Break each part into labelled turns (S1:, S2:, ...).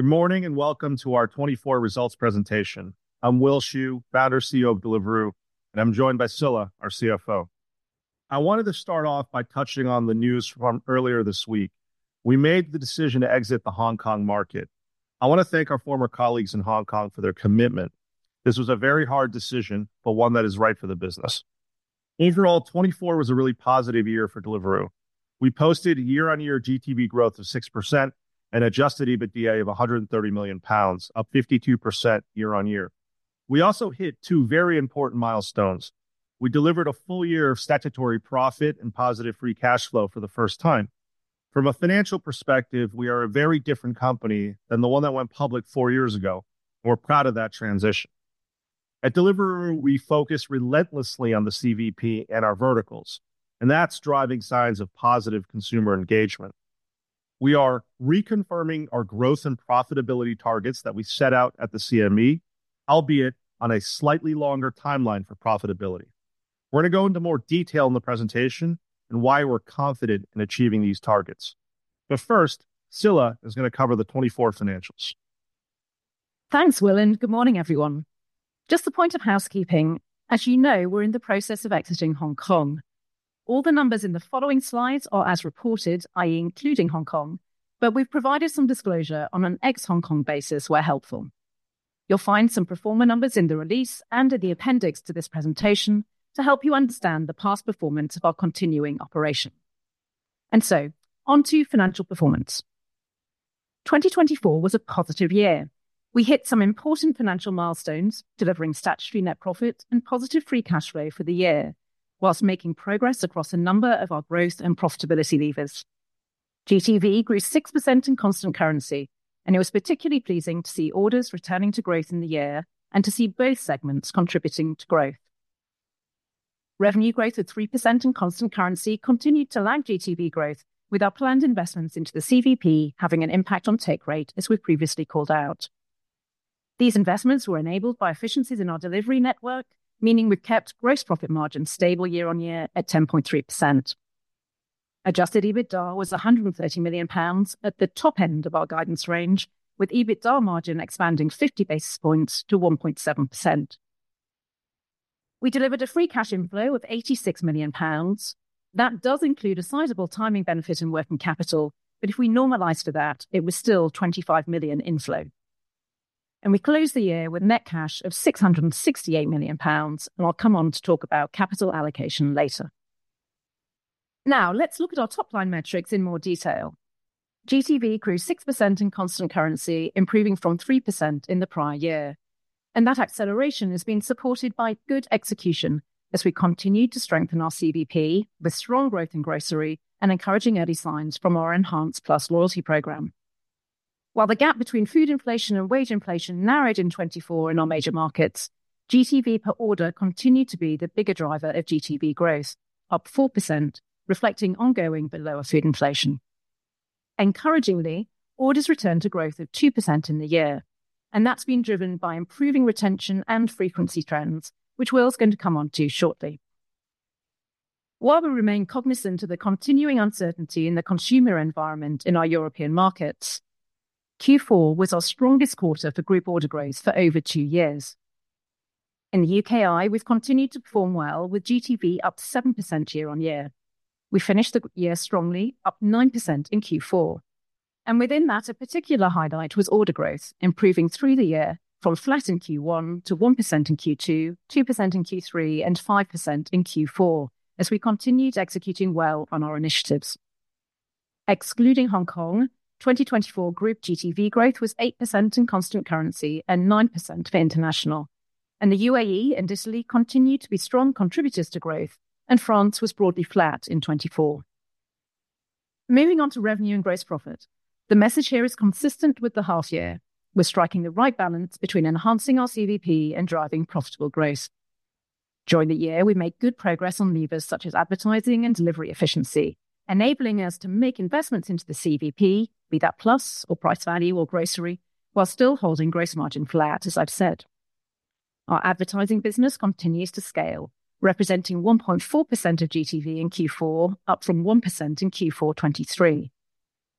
S1: Good morning and welcome to our 2024 results presentation. I'm Will Shu, Founder and CEO of Deliveroo, and I'm joined by Scilla, our CFO. I wanted to start off by touching on the news from earlier this week. We made the decision to exit the Hong Kong market. I want to thank our former colleagues in Hong Kong for their commitment. This was a very hard decision, but one that is right for the business. Overall, 2024 was a really positive year for Deliveroo. We posted year-on-year GTV growth of 6% and adjusted EBITDA of 130 million pounds, up 52% year-on-year. We also hit two very important milestones. We delivered a full year of statutory profit and positive free cash flow for the first time. From a financial perspective, we are a very different company than the one that went public four years ago, and we're proud of that transition. At Deliveroo, we focus relentlessly on the CVP and our verticals, and that's driving signs of positive consumer engagement. We are reconfirming our growth and profitability targets that we set out at the CME, albeit on a slightly longer timeline for profitability. We are going to go into more detail in the presentation and why we are confident in achieving these targets. First, Scilla is going to cover the 2024 financials.
S2: Thanks, Will, and good morning, everyone. Just a point of housekeeping: as you know, we're in the process of exiting Hong Kong. All the numbers in the following slides are as reported, i.e., including Hong Kong, but we've provided some disclosure on an ex-Hong Kong basis where helpful. You'll find some pro forma numbers in the release and in the appendix to this presentation to help you understand the past performance of our continuing operation. On to financial performance. 2024 was a positive year. We hit some important financial milestones, delivering statutory net profit and positive free cash flow for the year, whilst making progress across a number of our growth and profitability levers. GTV grew 6% in constant currency, and it was particularly pleasing to see orders returning to growth in the year and to see both segments contributing to growth. Revenue growth of 3% in constant currency continued to lag GTV growth, with our planned investments into the CVP having an impact on take rate, as we've previously called out. These investments were enabled by efficiencies in our delivery network, meaning we've kept gross profit margin stable year-on-year at 10.3%. Adjusted EBITDA was 130 million pounds at the top end of our guidance range, with EBITDA margin expanding 50 basis points to 1.7%. We delivered a free cash inflow of 86 million pounds. That does include a sizable timing benefit in working capital, but if we normalize for that, it was still 25 million inflow. We closed the year with net cash of GBP 668 million, and I'll come on to talk about capital allocation later. Now, let's look at our top-line metrics in more detail. GTV grew 6% in constant currency, improving from 3% in the prior year. That acceleration has been supported by good execution as we continued to strengthen our CVP with strong growth in grocery and encouraging early signs from our enhanced Plus loyalty program. While the gap between food inflation and wage inflation narrowed in 2024 in our major markets, GTV per order continued to be the bigger driver of GTV growth, up 4%, reflecting ongoing but lower food inflation. Encouragingly, orders returned to growth of 2% in the year, and that's been driven by improving retention and frequency trends, which Will's going to come on to shortly. While we remain cognizant of the continuing uncertainty in the consumer environment in our European markets, Q4 was our strongest quarter for group order growth for over two years. In the UKI, we've continued to perform well, with GTV up 7% year-on-year. We finished the year strongly, up 9% in Q4. Within that, a particular highlight was order growth, improving through the year from flat in Q1 to 1% in Q2, 2% in Q3, and 5% in Q4, as we continued executing well on our initiatives. Excluding Hong Kong, 2024 group GTV growth was 8% in constant currency and 9% for international, and the UAE and Italy continued to be strong contributors to growth, and France was broadly flat in 2024. Moving on to revenue and gross profit, the message here is consistent with the half-year. We are striking the right balance between enhancing our CVP and driving profitable growth. During the year, we made good progress on levers such as advertising and delivery efficiency, enabling us to make investments into the CVP, be that Plus or price value or grocery, while still holding gross margin flat, as I have said. Our advertising business continues to scale, representing 1.4% of GTV in Q4, up from 1% in Q4 2023.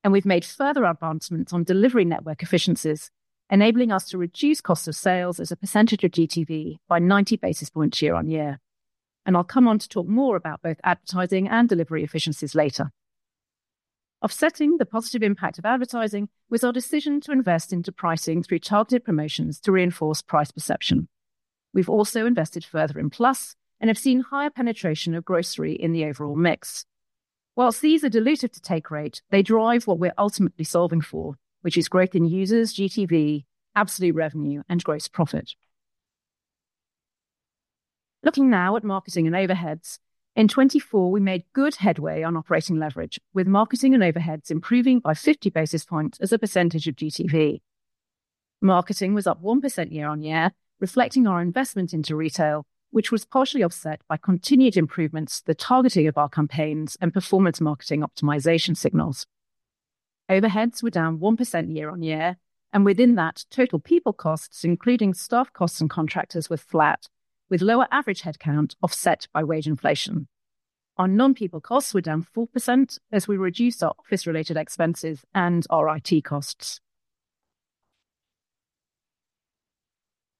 S2: We have made further advancements on delivery network efficiencies, enabling us to reduce cost of sales as a percentage of GTV by 90 basis points year-on-year. I will come on to talk more about both advertising and delivery efficiencies later. Offsetting the positive impact of advertising was our decision to invest into pricing through targeted promotions to reinforce price perception. We have also invested further in Plus and have seen higher penetration of grocery in the overall mix. Whilst these are dilutive to take rate, they drive what we are ultimately solving for, which is growth in users, GTV, absolute revenue, and gross profit. Looking now at marketing and overheads, in 2024 we made good headway on operating leverage, with marketing and overheads improving by 50 basis points as a percentage of GTV. Marketing was up 1% year-on-year, reflecting our investment into retail, which was partially offset by continued improvements to the targeting of our campaigns and performance marketing optimization signals. Overheads were down 1% year-on-year, and within that, total people costs, including staff costs and contractors, were flat, with lower average headcount offset by wage inflation. Our non-people costs were down 4% as we reduced our office-related expenses and our IT costs.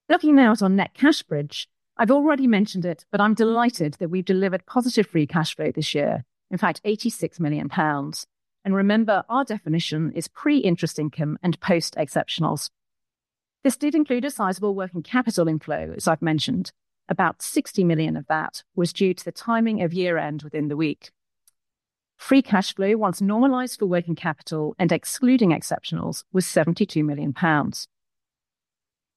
S2: Looking now at our net cash bridge, I've already mentioned it, but I'm delighted that we've delivered positive free cash flow this year, in fact, 86 million pounds. Remember, our definition is pre-interest income and post-exceptionals. This did include a sizable working capital inflow, as I've mentioned. About 60 million of that was due to the timing of year-end within the week. Free cash flow, once normalized for working capital and excluding exceptionals, was 72 million pounds.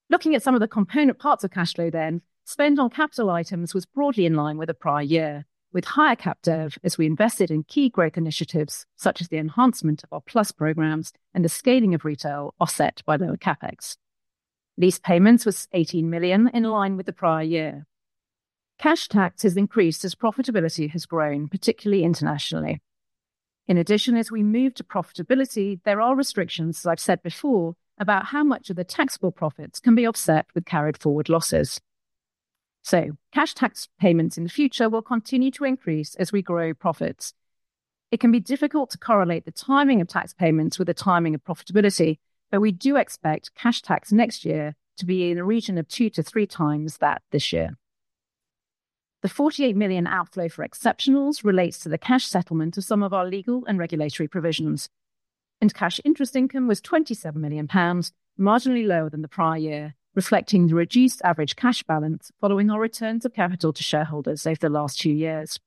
S2: Looking at some of the component parts of cash flow then, spend on capital items was broadly in line with the prior year, with higher CapEx as we invested in key growth initiatives such as the enhancement of our Plus programs and the scaling of retail offset by lower CapEx. Lease payments were 18 million, in line with the prior year. Cash tax has increased as profitability has grown, particularly internationally. In addition, as we move to profitability, there are restrictions, as I've said before, about how much of the taxable profits can be offset with carried forward losses. Cash tax payments in the future will continue to increase as we grow profits. It can be difficult to correlate the timing of tax payments with the timing of profitability, but we do expect cash tax next year to be in the region of two-three times that this year. The 48 million outflow for exceptionals relates to the cash settlement of some of our legal and regulatory provisions. Cash interest income was 27 million pounds, marginally lower than the prior year, reflecting the reduced average cash balance following our returns of capital to shareholders over the last two years.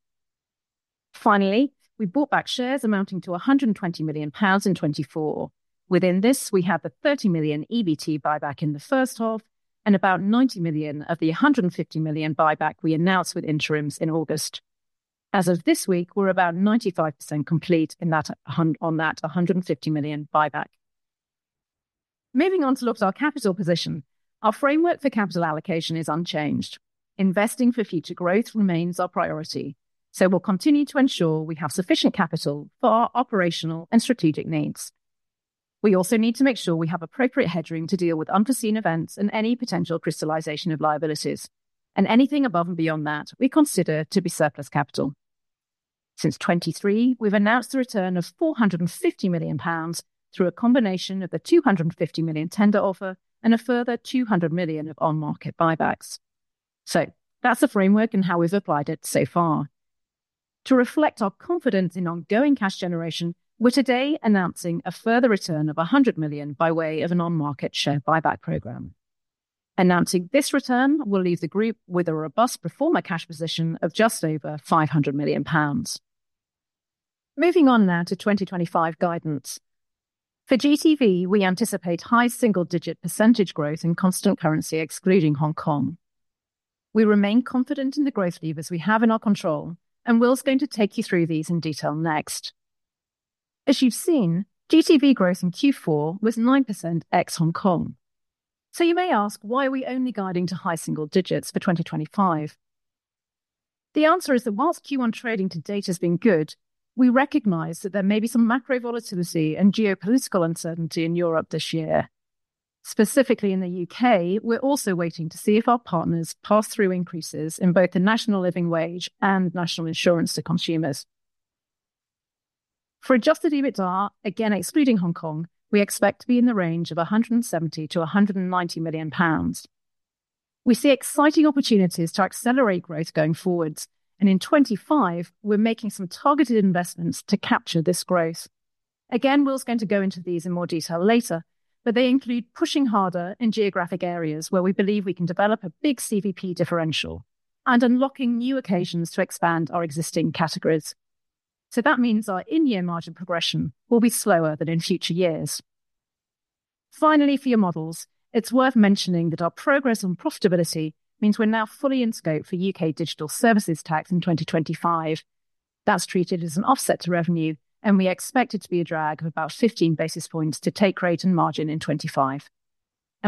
S2: Finally, we bought back shares amounting to 120 million pounds in 2024. Within this, we had the 30 million EBT buyback in the first half and about 90 million of the 150 million buyback we announced with interims in August. As of this week, we're about 95% complete on that 150 million buyback. Moving on to look at our capital position, our framework for capital allocation is unchanged. Investing for future growth remains our priority, so we'll continue to ensure we have sufficient capital for our operational and strategic needs. We also need to make sure we have appropriate headroom to deal with unforeseen events and any potential crystallization of liabilities. Anything above and beyond that we consider to be surplus capital. Since 2023, we've announced a return of 450 million pounds through a combination of the 250 million tender offer and a further 200 million of on-market buybacks. That is the framework and how we've applied it so far. To reflect our confidence in ongoing cash generation, we're today announcing a further return of 100 million by way of an on-market share buyback program. Announcing this return will leave the group with a robust pro forma cash position of just over 500 million pounds. Moving on now to 2025 guidance. For GTV, we anticipate high single-digit % growth in constant currency excluding Hong Kong. We remain confident in the growth levers we have in our control, and Will's going to take you through these in detail next. As you've seen, GTV growth in Q4 was 9% ex-Hong Kong. You may ask why are we only guiding to high single digits for 2025? The answer is that whilst Q1 trading to date has been good, we recognize that there may be some macro volatility and geopolitical uncertainty in Europe this year. Specifically in the U.K., we're also waiting to see if our partners pass through increases in both the National Living Wage and National Insurance to consumers. For adjusted EBITDA, again excluding Hong Kong, we expect to be in the range of 170 million-190 million pounds. We see exciting opportunities to accelerate growth going forwards, and in 2025, we're making some targeted investments to capture this growth. Again, Will's going to go into these in more detail later, but they include pushing harder in geographic areas where we believe we can develop a big CVP differential and unlocking new occasions to expand our existing categories. That means our in-year margin progression will be slower than in future years. Finally, for your models, it's worth mentioning that our progress on profitability means we're now fully in scope for U.K. Digital Services Tax in 2025. That's treated as an offset to revenue, and we expect it to be a drag of about 15 basis points to take rate and margin in 2025.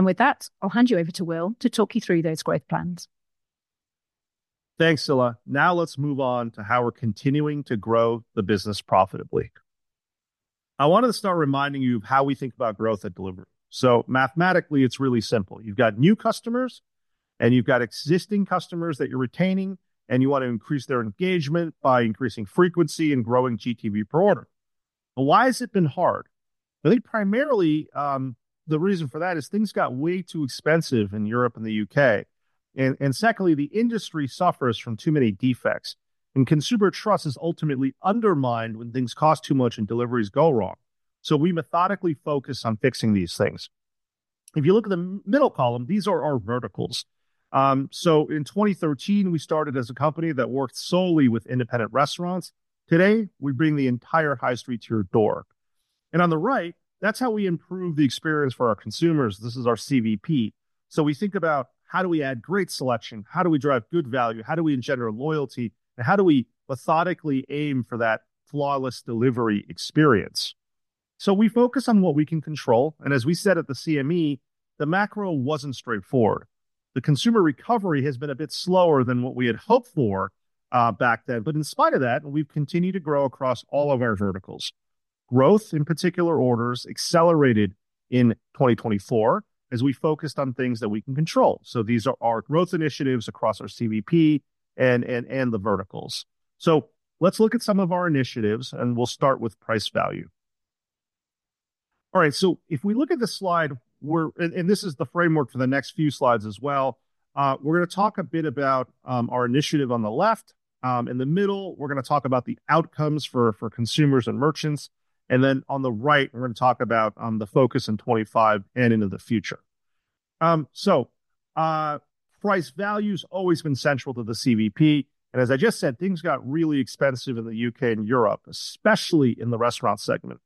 S2: With that, I'll hand you over to Will to talk you through those growth plans.
S1: Thanks, Scilla. Now let's move on to how we're continuing to grow the business profitably. I wanted to start reminding you of how we think about growth at Deliveroo. Mathematically, it's really simple. You've got new customers, and you've got existing customers that you're retaining, and you want to increase their engagement by increasing frequency and growing GTV per order. Why has it been hard? I think primarily the reason for that is things got way too expensive in Europe and the U.K. Secondly, the industry suffers from too many defects, and consumer trust is ultimately undermined when things cost too much and deliveries go wrong. We methodically focus on fixing these things. If you look at the middle column, these are our verticals. In 2013, we started as a company that worked solely with independent restaurants. Today, we bring the entire high street to your door. On the right, that's how we improve the experience for our consumers. This is our CVP. We think about how do we add great selection, how do we drive good value, how do we engender loyalty, and how do we methodically aim for that flawless delivery experience. We focus on what we can control. As we said at the CME, the macro was not straightforward. The consumer recovery has been a bit slower than what we had hoped for back then. In spite of that, we've continued to grow across all of our verticals. Growth in particular orders accelerated in 2024 as we focused on things that we can control. These are our growth initiatives across our CVP and the verticals. Let's look at some of our initiatives, and we'll start with price value. All right, if we look at the slide, we're—this is the framework for the next few slides as well. We're going to talk a bit about our initiative on the left. In the middle, we're going to talk about the outcomes for consumers and merchants. On the right, we're going to talk about the focus in 2025 and into the future. Price value has always been central to the CVP. As I just said, things got really expensive in the U.K. and Europe, especially in the restaurant segment.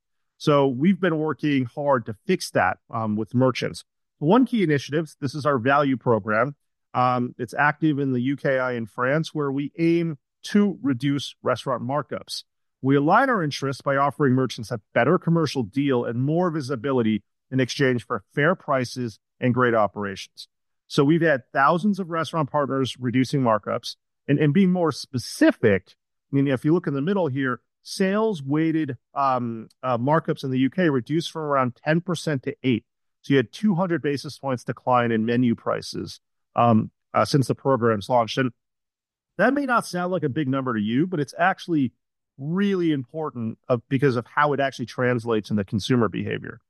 S1: We've been working hard to fix that with merchants. One key initiative, this is our value program. It's active in the UKI and France, where we aim to reduce restaurant markups. We align our interests by offering merchants a better commercial deal and more visibility in exchange for fair prices and great operations. We have had thousands of restaurant partners reducing markups. Being more specific, if you look in the middle here, sales-weighted markups in the U.K. reduced from around 10%-8%. You had a 200 basis points decline in menu prices since the program's launched. That may not sound like a big number to you, but it is actually really important because of how it actually translates in the consumer behavior.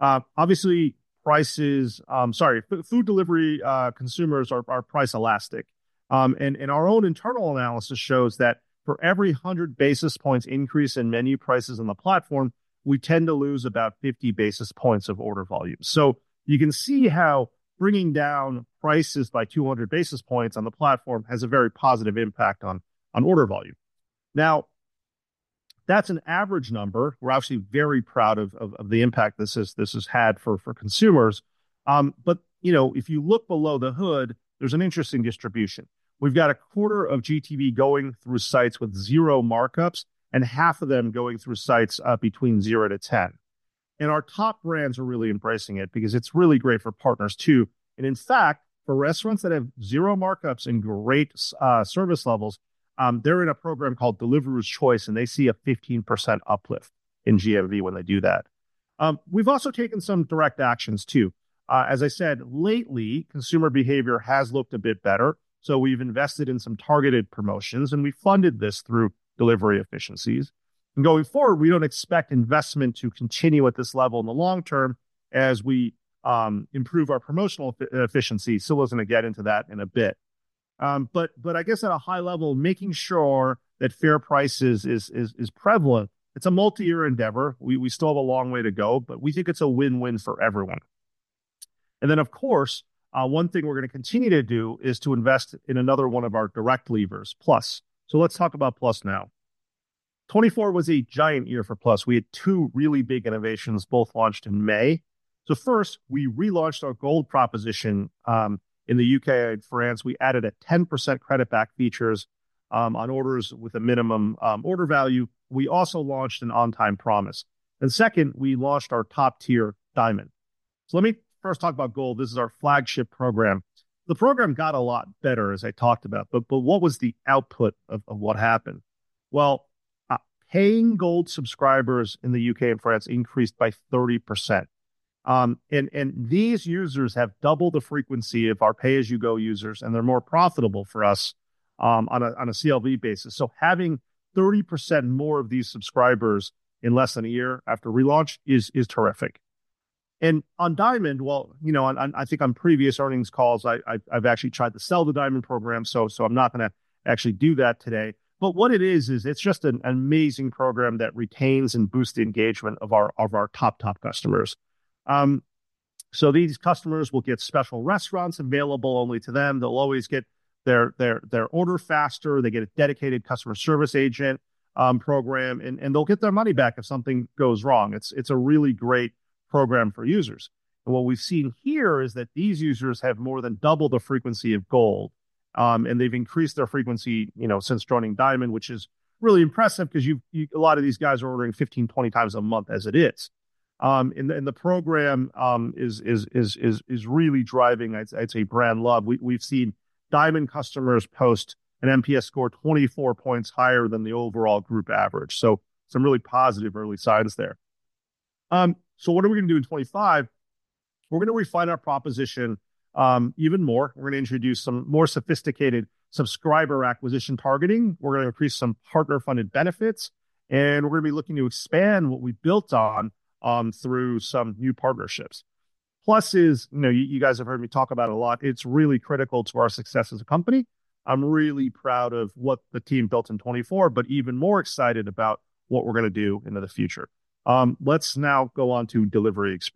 S1: Obviously, prices—sorry, food delivery consumers are price elastic. Our own internal analysis shows that for every 100 basis points increase in menu prices on the platform, we tend to lose about 50 basis points of order volume. You can see how bringing down prices by 200 basis points on the platform has a very positive impact on order volume. Now, that's an average number. We're actually very proud of the impact this has had for consumers. You know, if you look below the hood, there's an interesting distribution. We've got a quarter of GTV going through sites with zero markups and half of them going through sites between 0-10. Our top brands are really embracing it because it's really great for partners too. In fact, for restaurants that have zero markups and great service levels, they're in a program called Deliveroo Choice, and they see a 15% uplift in GMV when they do that. We've also taken some direct actions too. As I said, lately, consumer behavior has looked a bit better. We have invested in some targeted promotions, and we funded this through delivery efficiencies. Going forward, we do not expect investment to continue at this level in the long term as we improve our promotional efficiency. Scilla is going to get into that in a bit. I guess at a high level, making sure that fair prices is prevalent, it is a multi-year endeavor. We still have a long way to go, but we think it is a win-win for everyone. Of course, one thing we are going to continue to do is to invest in another one of our direct levers, Plus. Let us talk about Plus now. 2024 was a giant year for Plus. We had two really big innovations, both launched in May. First, we relaunched our Gold proposition in the U.K. and France. We added a 10% credit-back feature on orders with a minimum order value. We also launched an On-Time Promise. Second, we launched our top-tier Diamond. Let me first talk about Gold. This is our flagship program. The program got a lot better, as I talked about. What was the output of what happened? Paying Gold subscribers in the U.K. and France increased by 30%. These users have doubled the frequency of our pay-as-you-go users, and they are more profitable for us on a CLV basis. Having 30% more of these subscribers in less than a year after relaunch is terrific. On Diamond, you know, I think on previous earnings calls, I have actually tried to sell the Diamond program, so I am not going to actually do that today. What it is, is it is just an amazing program that retains and boosts the engagement of our top, top customers. These customers will get special restaurants available only to them. They'll always get their order faster. They get a dedicated customer service agent program, and they'll get their money back if something goes wrong. It's a really great program for users. What we've seen here is that these users have more than doubled the frequency of Gold, and they've increased their frequency since joining Diamond, which is really impressive because a lot of these guys are ordering 15x-20x a month as it is. The program is really driving, I'd say, brand love. We've seen Diamond customers post an NPS score 24 points higher than the overall group average. Some really positive early signs there. What are we going to do in 2025? We're going to refine our proposition even more. We're going to introduce some more sophisticated subscriber acquisition targeting. We're going to increase some partner-funded benefits, and we're going to be looking to expand what we built on through some new partnerships. Plus is, you know, you guys have heard me talk about it a lot. It's really critical to our success as a company. I'm really proud of what the team built in 2024, but even more excited about what we're going to do into the future. Let's now go on to delivery experience.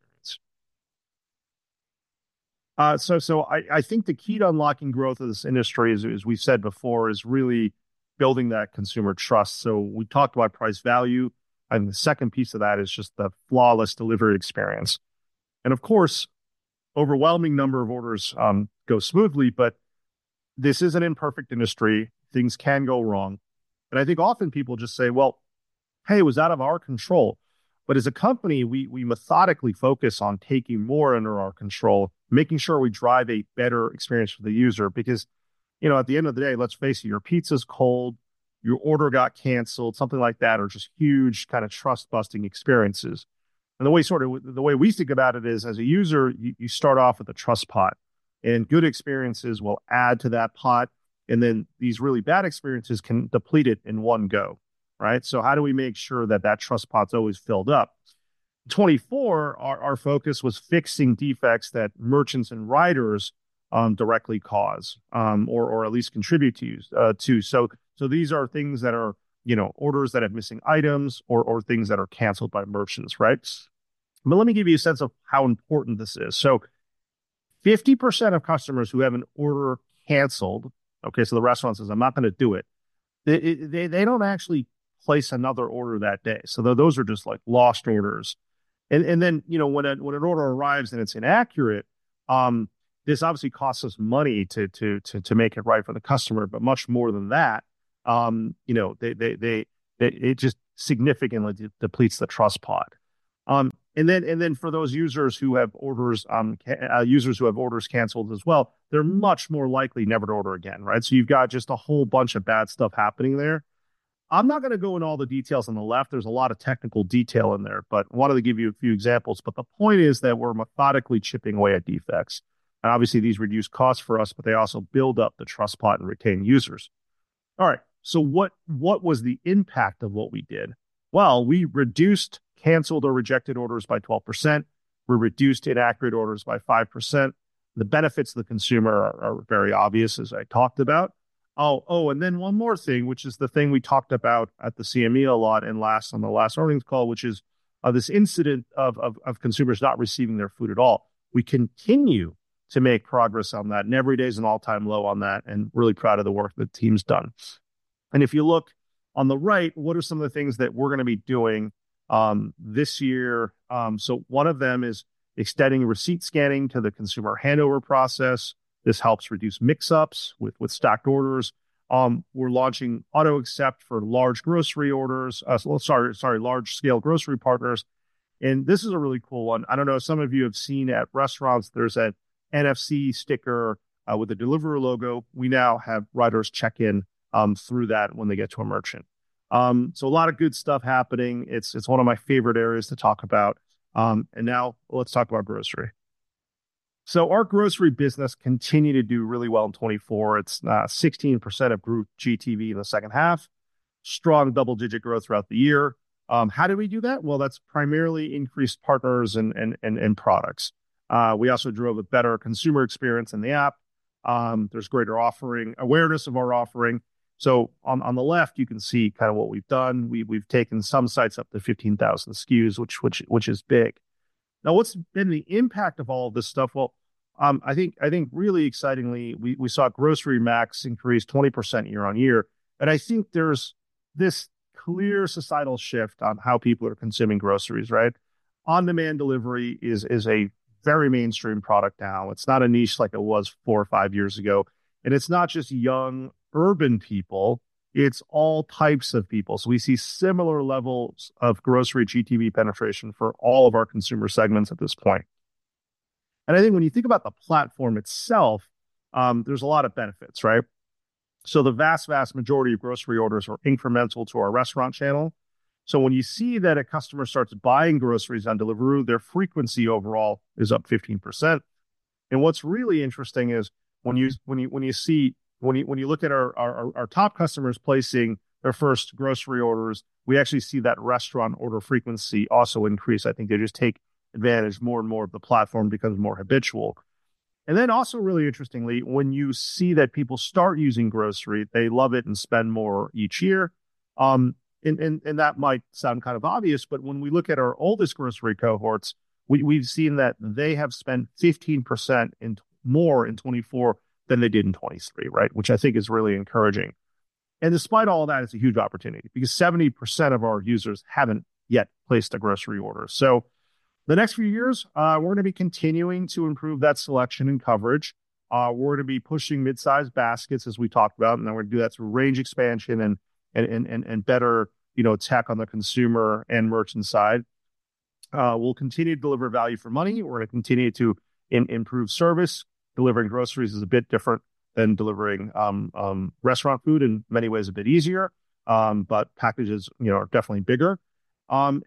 S1: I think the key to unlocking growth in this industry, as we've said before, is really building that consumer trust. We talked about price value, and the second piece of that is just the flawless delivery experience. Of course, overwhelming number of orders go smoothly, but this is an imperfect industry. Things can go wrong. I think often people just say, "Well, hey, it was out of our control." As a company, we methodically focus on taking more under our control, making sure we drive a better experience for the user. Because, you know, at the end of the day, let's face it, your pizza's cold, your order got canceled, something like that, or just huge kind of trust-busting experiences. The way sort of the way we think about it is, as a user, you start off with a trust pot, and good experiences will add to that pot, and then these really bad experiences can deplete it in one go. Right? How do we make sure that that trust pot's always filled up? In 2024, our focus was fixing defects that merchants and riders directly cause or at least contribute to. These are things that are, you know, orders that have missing items or things that are canceled by merchants. Right? Let me give you a sense of how important this is. 50% of customers who have an order canceled, okay, so the restaurant says, "I'm not going to do it," they don't actually place another order that day. Those are just like lost orders. You know, when an order arrives and it's inaccurate, this obviously costs us money to make it right for the customer, but much more than that, you know, it just significantly depletes the trust pot. For those users who have orders, users who have orders canceled as well, they're much more likely never to order again. Right? You have just a whole bunch of bad stuff happening there. I'm not going to go in all the details on the left. There's a lot of technical detail in there, but I wanted to give you a few examples. The point is that we're methodically chipping away at defects. Obviously, these reduce costs for us, but they also build up the trust pot and retain users. All right, what was the impact of what we did? We reduced canceled or rejected orders by 12%. We reduced inaccurate orders by 5%. The benefits to the consumer are very obvious, as I talked about. Oh, and then one more thing, which is the thing we talked about at the CME a lot and last on the last earnings call, which is this incident of consumers not receiving their food at all. We continue to make progress on that, and every day is an all-time low on that, and really proud of the work that the team's done. If you look on the right, what are some of the things that we're going to be doing this year? One of them is extending receipt scanning to the consumer handover process. This helps reduce mix-ups with stocked orders. We're launching auto-accept for large grocery orders, sorry, large-scale grocery partners. This is a really cool one. I don't know if some of you have seen at restaurants, there's an NFC sticker with a Deliveroo logo. We now have riders check in through that when they get to a merchant. A lot of good stuff happening. It's one of my favorite areas to talk about. Now, let's talk about grocery. Our grocery business continued to do really well in 2024. It's 16% of group GTV in the second half, strong double-digit growth throughout the year. How did we do that? That's primarily increased partners and products. We also drove a better consumer experience in the app. There's greater awareness of our offering. On the left, you can see kind of what we've done. We've taken some sites up to 15,000 SKUs, which is big. Now, what's been the impact of all of this stuff? I think really excitingly, we saw Grocery MACs increase 20% year-on-year. I think there's this clear societal shift on how people are consuming groceries. Right? On-demand delivery is a very mainstream product now. It's not a niche like it was four or five years ago. It's not just young urban people. It's all types of people. We see similar levels of grocery GTV penetration for all of our consumer segments at this point. I think when you think about the platform itself, there's a lot of benefits. Right? The vast, vast majority of grocery orders are incremental to our restaurant channel. When you see that a customer starts buying groceries on Deliveroo, their frequency overall is up 15%. What's really interesting is when you look at our top customers placing their first grocery orders, we actually see that restaurant order frequency also increases. I think they just take advantage more and more of the platform as it becomes more habitual. Also, really interestingly, when you see that people start using grocery, they love it and spend more each year. That might sound kind of obvious, but when we look at our oldest grocery cohorts, we've seen that they have spent 15% more in 2024 than they did in 2023. Right? Which I think is really encouraging. Despite all that, it's a huge opportunity because 70% of our users haven't yet placed a grocery order. The next few years, we're going to be continuing to improve that selection and coverage. We're going to be pushing mid-size baskets, as we talked about, and then we're going to do that through range expansion and better attack on the consumer and merchant side. We'll continue to deliver value for money. We're going to continue to improve service. Delivering groceries is a bit different than delivering restaurant food. In many ways, a bit easier, but packages are definitely bigger. We have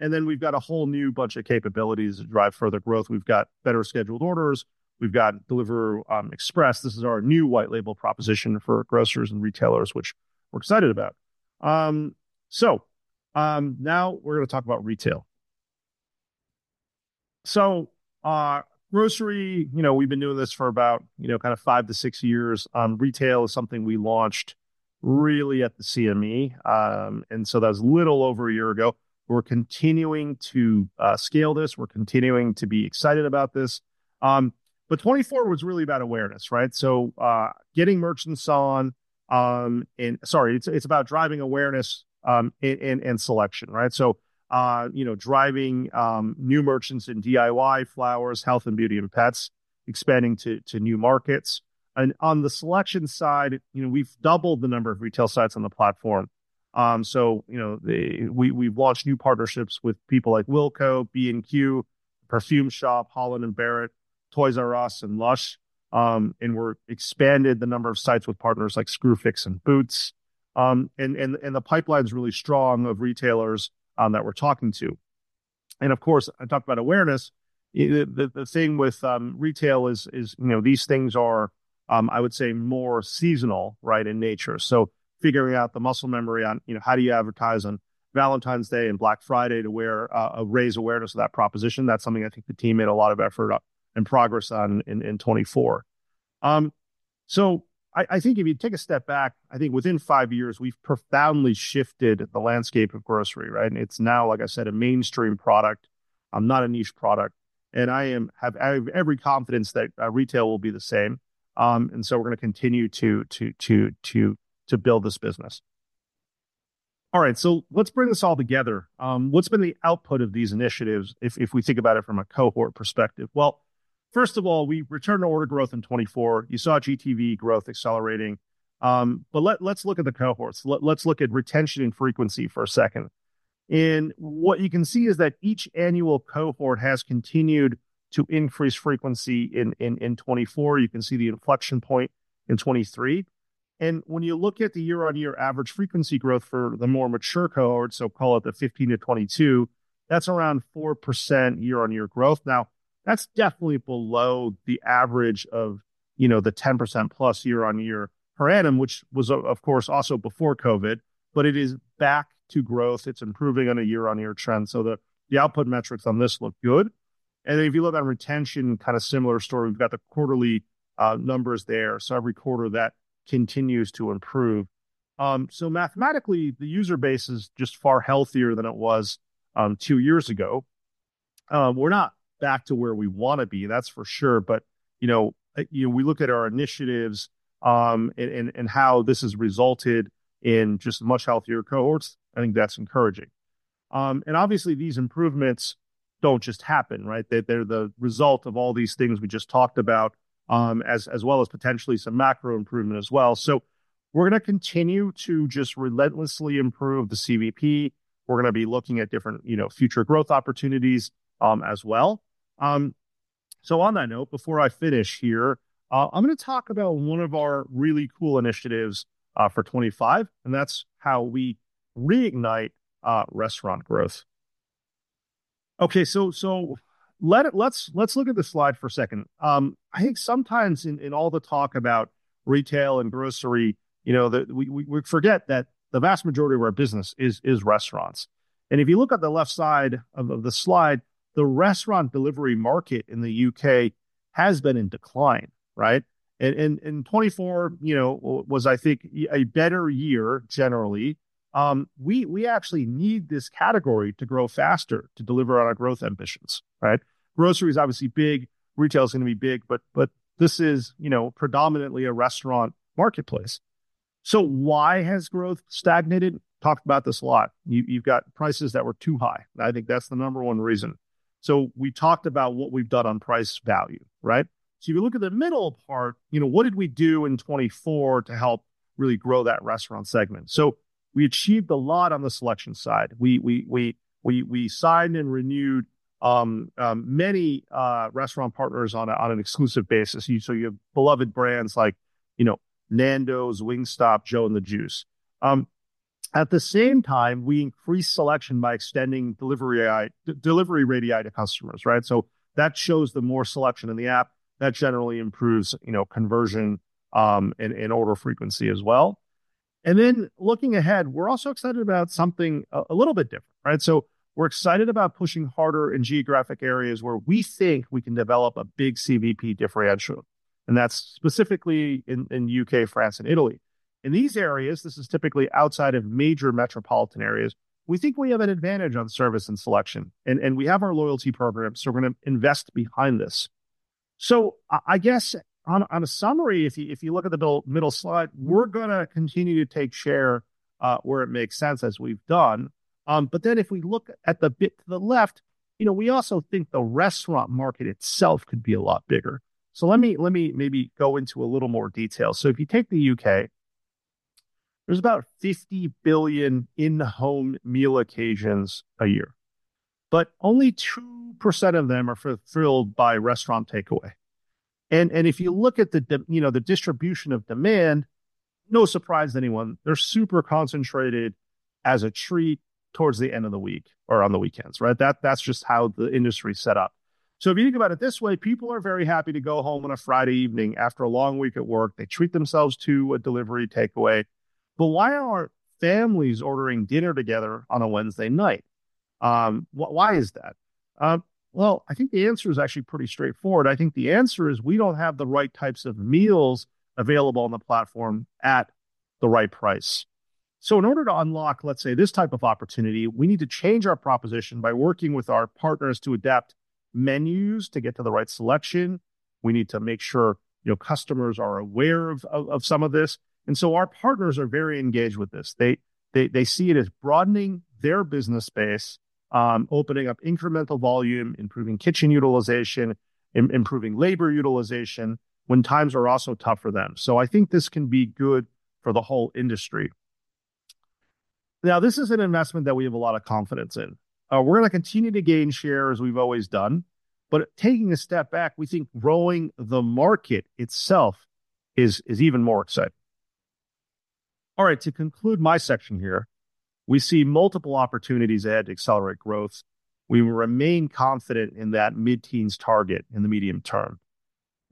S1: a whole new bunch of capabilities to drive further growth. We have better scheduled orders. We have got Deliveroo Express. This is our new white-label proposition for grocers and retailers, which we are excited about. Now we are going to talk about retail. Grocery, you know, we have been doing this for about, you know, kind of five to six years. Retail is something we launched really at the CME. That was a little over a year ago. We are continuing to scale this. We are continuing to be excited about this. 2024 was really about awareness. Right? Getting merchants on, and sorry, it is about driving awareness and selection. Right? You know, driving new merchants in DIY, flowers, health and beauty, and pets, expanding to new markets. On the selection side, you know, we have doubled the number of retail sites on the platform. You know, we've launched new partnerships with people like Wilko, B&Q, The Perfume Shop, Holland & Barrett, Toys 'R' Us, and Lush. We've expanded the number of sites with partners like Screwfix and Boots. The pipeline's really strong of retailers that we're talking to. Of course, I talked about awareness. The thing with retail is, you know, these things are, I would say, more seasonal, right, in nature. Figuring out the muscle memory on, you know, how do you advertise on Valentine's Day and Black Friday to raise awareness of that proposition. That's something I think the team made a lot of effort and progress on in 2024. I think if you take a step back, I think within five years, we've profoundly shifted the landscape of grocery. Right? It's now, like I said, a mainstream product, not a niche product. I have every confidence that retail will be the same. We are going to continue to build this business. All right, let's bring this all together. What has been the output of these initiatives if we think about it from a cohort perspective? First of all, we returned to order growth in 2024. You saw GTV growth accelerating. Let's look at the cohorts. Let's look at retention and frequency for a second. What you can see is that each annual cohort has continued to increase frequency in 2024. You can see the inflection point in 2023. When you look at the year-on-year average frequency growth for the more mature cohorts, so call it the 2015-2022, that is around 4% year-on-year growth. That is definitely below the average of, you know, the 10% plus year-on-year per annum, which was, of course, also before COVID. It is back to growth. It's improving on a year-on-year trend. The output metrics on this look good. If you look at retention, kind of similar story. We've got the quarterly numbers there. Every quarter, that continues to improve. Mathematically, the user base is just far healthier than it was two years ago. We're not back to where we want to be, that's for sure. You know, we look at our initiatives and how this has resulted in just much healthier cohorts. I think that's encouraging. Obviously, these improvements don't just happen. Right? They're the result of all these things we just talked about, as well as potentially some macro improvement as well. We're going to continue to just relentlessly improve the CVP. We're going to be looking at different, you know, future growth opportunities as well. On that note, before I finish here, I'm going to talk about one of our really cool initiatives for 2025, and that's how we reignite restaurant growth. Okay, let's look at the slide for a second. I think sometimes in all the talk about retail and grocery, you know, we forget that the vast majority of our business is restaurants. If you look at the left side of the slide, the restaurant delivery market in the U.K. has been in decline. Right? In 2024, you know, it was, I think, a better year generally. We actually need this category to grow faster, to deliver on our growth ambitions. Right? Grocery is obviously big. Retail is going to be big. This is, you know, predominantly a restaurant marketplace. Why has growth stagnated? Talked about this a lot. You've got prices that were too high. I think that's the number one reason. We talked about what we've done on price value, right? If you look at the middle part, you know, what did we do in 2024 to help really grow that restaurant segment? We achieved a lot on the selection side. We signed and renewed many restaurant partners on an exclusive basis. You have beloved brands like, you know, Nando's, Wingstop, Joe & The Juice. At the same time, we increased selection by extending delivery radii to customers, right? That shows the more selection in the app. That generally improves, you know, conversion and order frequency as well. Looking ahead, we're also excited about something a little bit different, right? We're excited about pushing harder in geographic areas where we think we can develop a big CVP differential. That is specifically in the U.K., France, and Italy. In these areas, this is typically outside of major metropolitan areas. We think we have an advantage on service and selection. We have our loyalty program. We are going to invest behind this. I guess on a summary, if you look at the middle slide, we are going to continue to take share where it makes sense, as we have done. If we look at the bit to the left, you know, we also think the restaurant market itself could be a lot bigger. Let me maybe go into a little more detail. If you take the U.K., there are about 50 billion in-home meal occasions a year. Only 2% of them are fulfilled by restaurant takeaway. If you look at the, you know, the distribution of demand, no surprise to anyone, they're super concentrated as a treat towards the end of the week or on the weekends. Right? That's just how the industry is set up. If you think about it this way, people are very happy to go home on a Friday evening after a long week at work. They treat themselves to a delivery takeaway. Why aren't families ordering dinner together on a Wednesday night? Why is that? I think the answer is actually pretty straightforward. I think the answer is we don't have the right types of meals available on the platform at the right price. In order to unlock, let's say, this type of opportunity, we need to change our proposition by working with our partners to adapt menus to get to the right selection. We need to make sure, you know, customers are aware of some of this. Our partners are very engaged with this. They see it as broadening their business space, opening up incremental volume, improving kitchen utilization, improving labor utilization when times are also tough for them. I think this can be good for the whole industry. Now, this is an investment that we have a lot of confidence in. We're going to continue to gain share as we've always done. Taking a step back, we think growing the market itself is even more exciting. All right, to conclude my section here, we see multiple opportunities ahead to accelerate growth. We will remain confident in that mid-teens target in the medium term.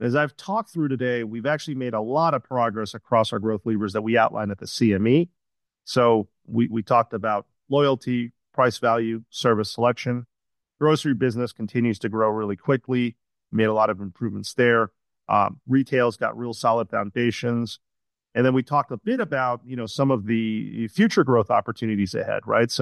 S1: As I've talked through today, we've actually made a lot of progress across our growth levers that we outlined at the CME. We talked about loyalty, price value, service selection. Grocery business continues to grow really quickly. We made a lot of improvements there. Retail's got real solid foundations. We talked a bit about, you know, some of the future growth opportunities ahead. Right?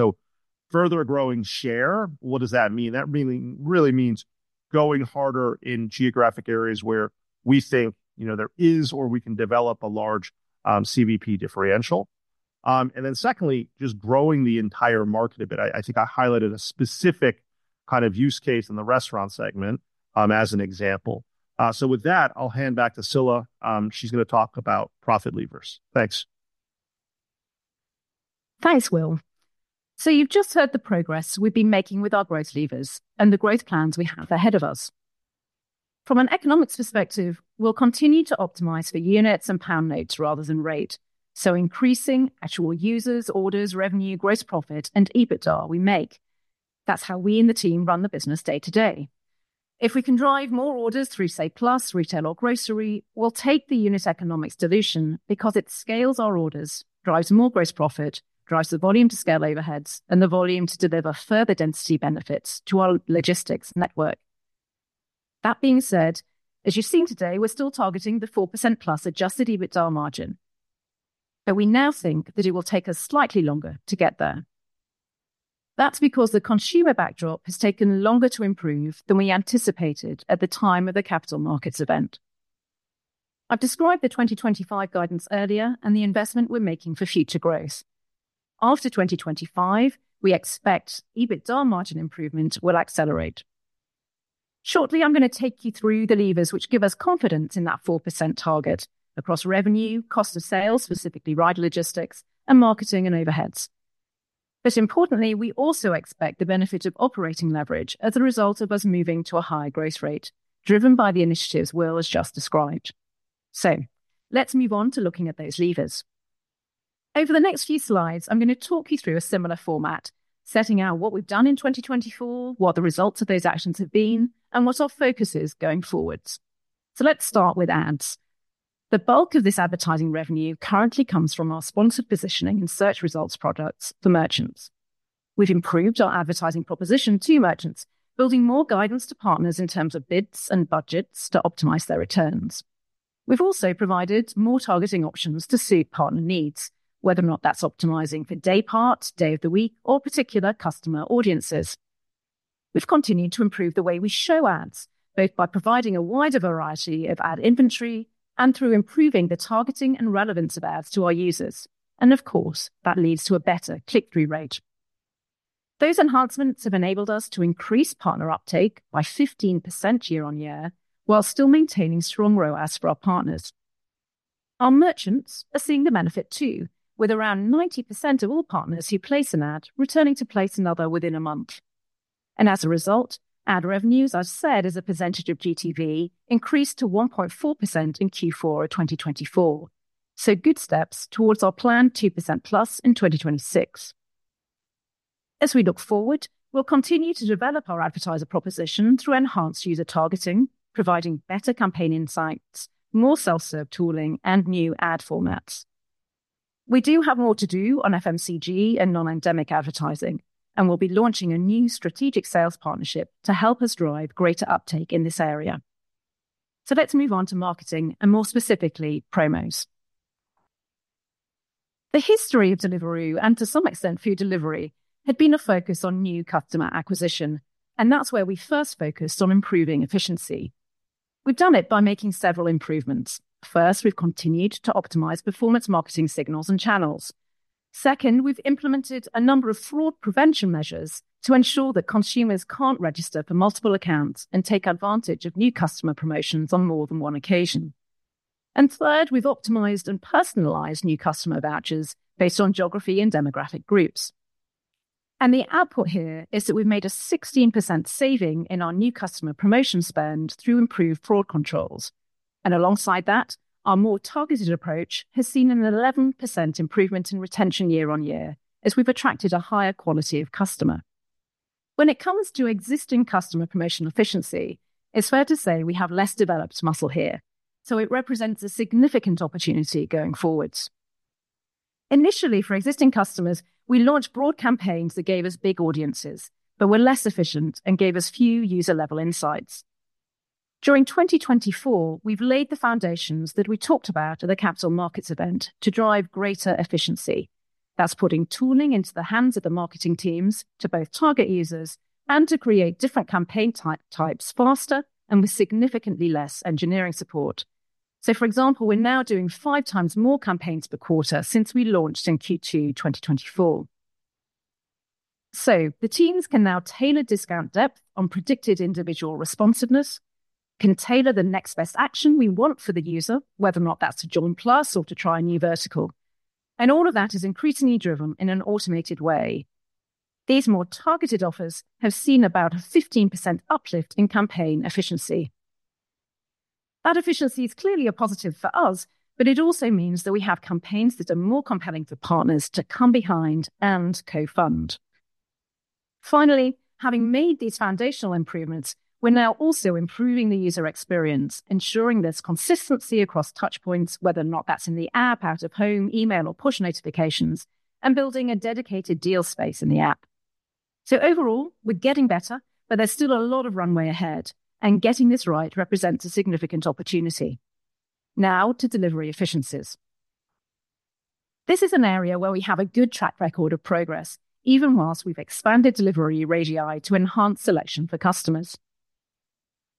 S1: Further growing share, what does that mean? That really means going harder in geographic areas where we think, you know, there is or we can develop a large CVP differential. Secondly, just growing the entire market a bit. I think I highlighted a specific kind of use case in the restaurant segment as an example. With that, I'll hand back to Scilla. She's going to talk about profit levers. Thanks.
S2: Thanks, Will. You've just heard the progress we've been making with our growth levers and the growth plans we have ahead of us. From an economic perspective, we'll continue to optimize for units and pound notes rather than rate. Increasing actual users, orders, revenue, gross profit, and EBITDA we make. That's how we in the team run the business day to day. If we can drive more orders through, say, Plus, Retail, or grocery, we'll take the unit economics dilution because it scales our orders, drives more gross profit, drives the volume to scale overheads, and the volume to deliver further density benefits to our logistics network. That being said, as you've seen today, we're still targeting the 4%+ adjusted EBITDA margin. We now think that it will take us slightly longer to get there. That's because the consumer backdrop has taken longer to improve than we anticipated at the time of the Capital Markets Event. I've described the 2025 guidance earlier and the investment we're making for future growth. After 2025, we expect EBITDA margin improvement will accelerate. Shortly, I'm going to take you through the levers which give us confidence in that 4% target across revenue, cost of sales, specifically ride logistics, and marketing and overheads. Importantly, we also expect the benefit of operating leverage as a result of us moving to a higher growth rate driven by the initiatives Will has just described. Let's move on to looking at those levers. Over the next few slides, I'm going to talk you through a similar format, setting out what we've done in 2024, what the results of those actions have been, and what our focus is going forwards. Let's start with ads. The bulk of this advertising revenue currently comes from our sponsored positioning and search results products for merchants. have improved our advertising proposition to merchants, building more guidance to partners in terms of bids and budgets to optimize their returns. We have also provided more targeting options to suit partner needs, whether or not that is optimizing for daypart, day of the week, or particular customer audiences. We have continued to improve the way we show ads, both by providing a wider variety of ad inventory and through improving the targeting and relevance of ads to our users. That leads to a better click-through rate. Those enhancements have enabled us to increase partner uptake by 15% year-on-year while still maintaining strong ROAS for our partners. Our merchants are seeing the benefit too, with around 90% of all partners who place an ad returning to place another within a month. As a result, ad revenues, as I said, as a percentage of GTV, increased to 1.4% in Q4 of 2024. Good steps towards our planned 2% plus in 2026. As we look forward, we'll continue to develop our advertiser proposition through enhanced user targeting, providing better campaign insights, more self-serve tooling, and new ad formats. We do have more to do on FMCG and non-endemic advertising, and we'll be launching a new strategic sales partnership to help us drive greater uptake in this area. Let's move on to marketing and more specifically, promos. The history of Deliveroo, and to some extent food delivery, had been a focus on new customer acquisition, and that's where we first focused on improving efficiency. We've done it by making several improvements. First, we've continued to optimize performance marketing signals and channels. Second, we've implemented a number of fraud prevention measures to ensure that consumers can't register for multiple accounts and take advantage of new customer promotions on more than one occasion. Third, we've optimized and personalized new customer vouchers based on geography and demographic groups. The output here is that we've made a 16% saving in our new customer promotion spend through improved fraud controls. Alongside that, our more targeted approach has seen an 11% improvement in retention year-on-year as we've attracted a higher quality of customer. When it comes to existing customer promotion efficiency, it's fair to say we have less developed muscle here. It represents a significant opportunity going forwards. Initially, for existing customers, we launched broad campaigns that gave us big audiences, but were less efficient and gave us few user-level insights. During 2024, we've laid the foundations that we talked about at the Capital Markets Event to drive greater efficiency. That is putting tooling into the hands of the marketing teams to both target users and to create different campaign types faster and with significantly less engineering support. For example, we're now doing five times more campaigns per quarter since we launched in Q2 2024. The teams can now tailor discount depth on predicted individual responsiveness, can tailor the next best action we want for the user, whether or not that is to join Plus or to try a new vertical. All of that is increasingly driven in an automated way. These more targeted offers have seen about a 15% uplift in campaign efficiency. That efficiency is clearly a positive for us, but it also means that we have campaigns that are more compelling for partners to come behind and co-fund. Finally, having made these foundational improvements, we are now also improving the user experience, ensuring there is consistency across touchpoints, whether or not that is in the app, out of home, email, or push notifications, and building a dedicated deal space in the app. Overall, we are getting better, but there is still a lot of runway ahead, and getting this right represents a significant opportunity. Now, to delivery efficiencies. This is an area where we have a good track record of progress, even whilst we have expanded delivery radii to enhance selection for customers.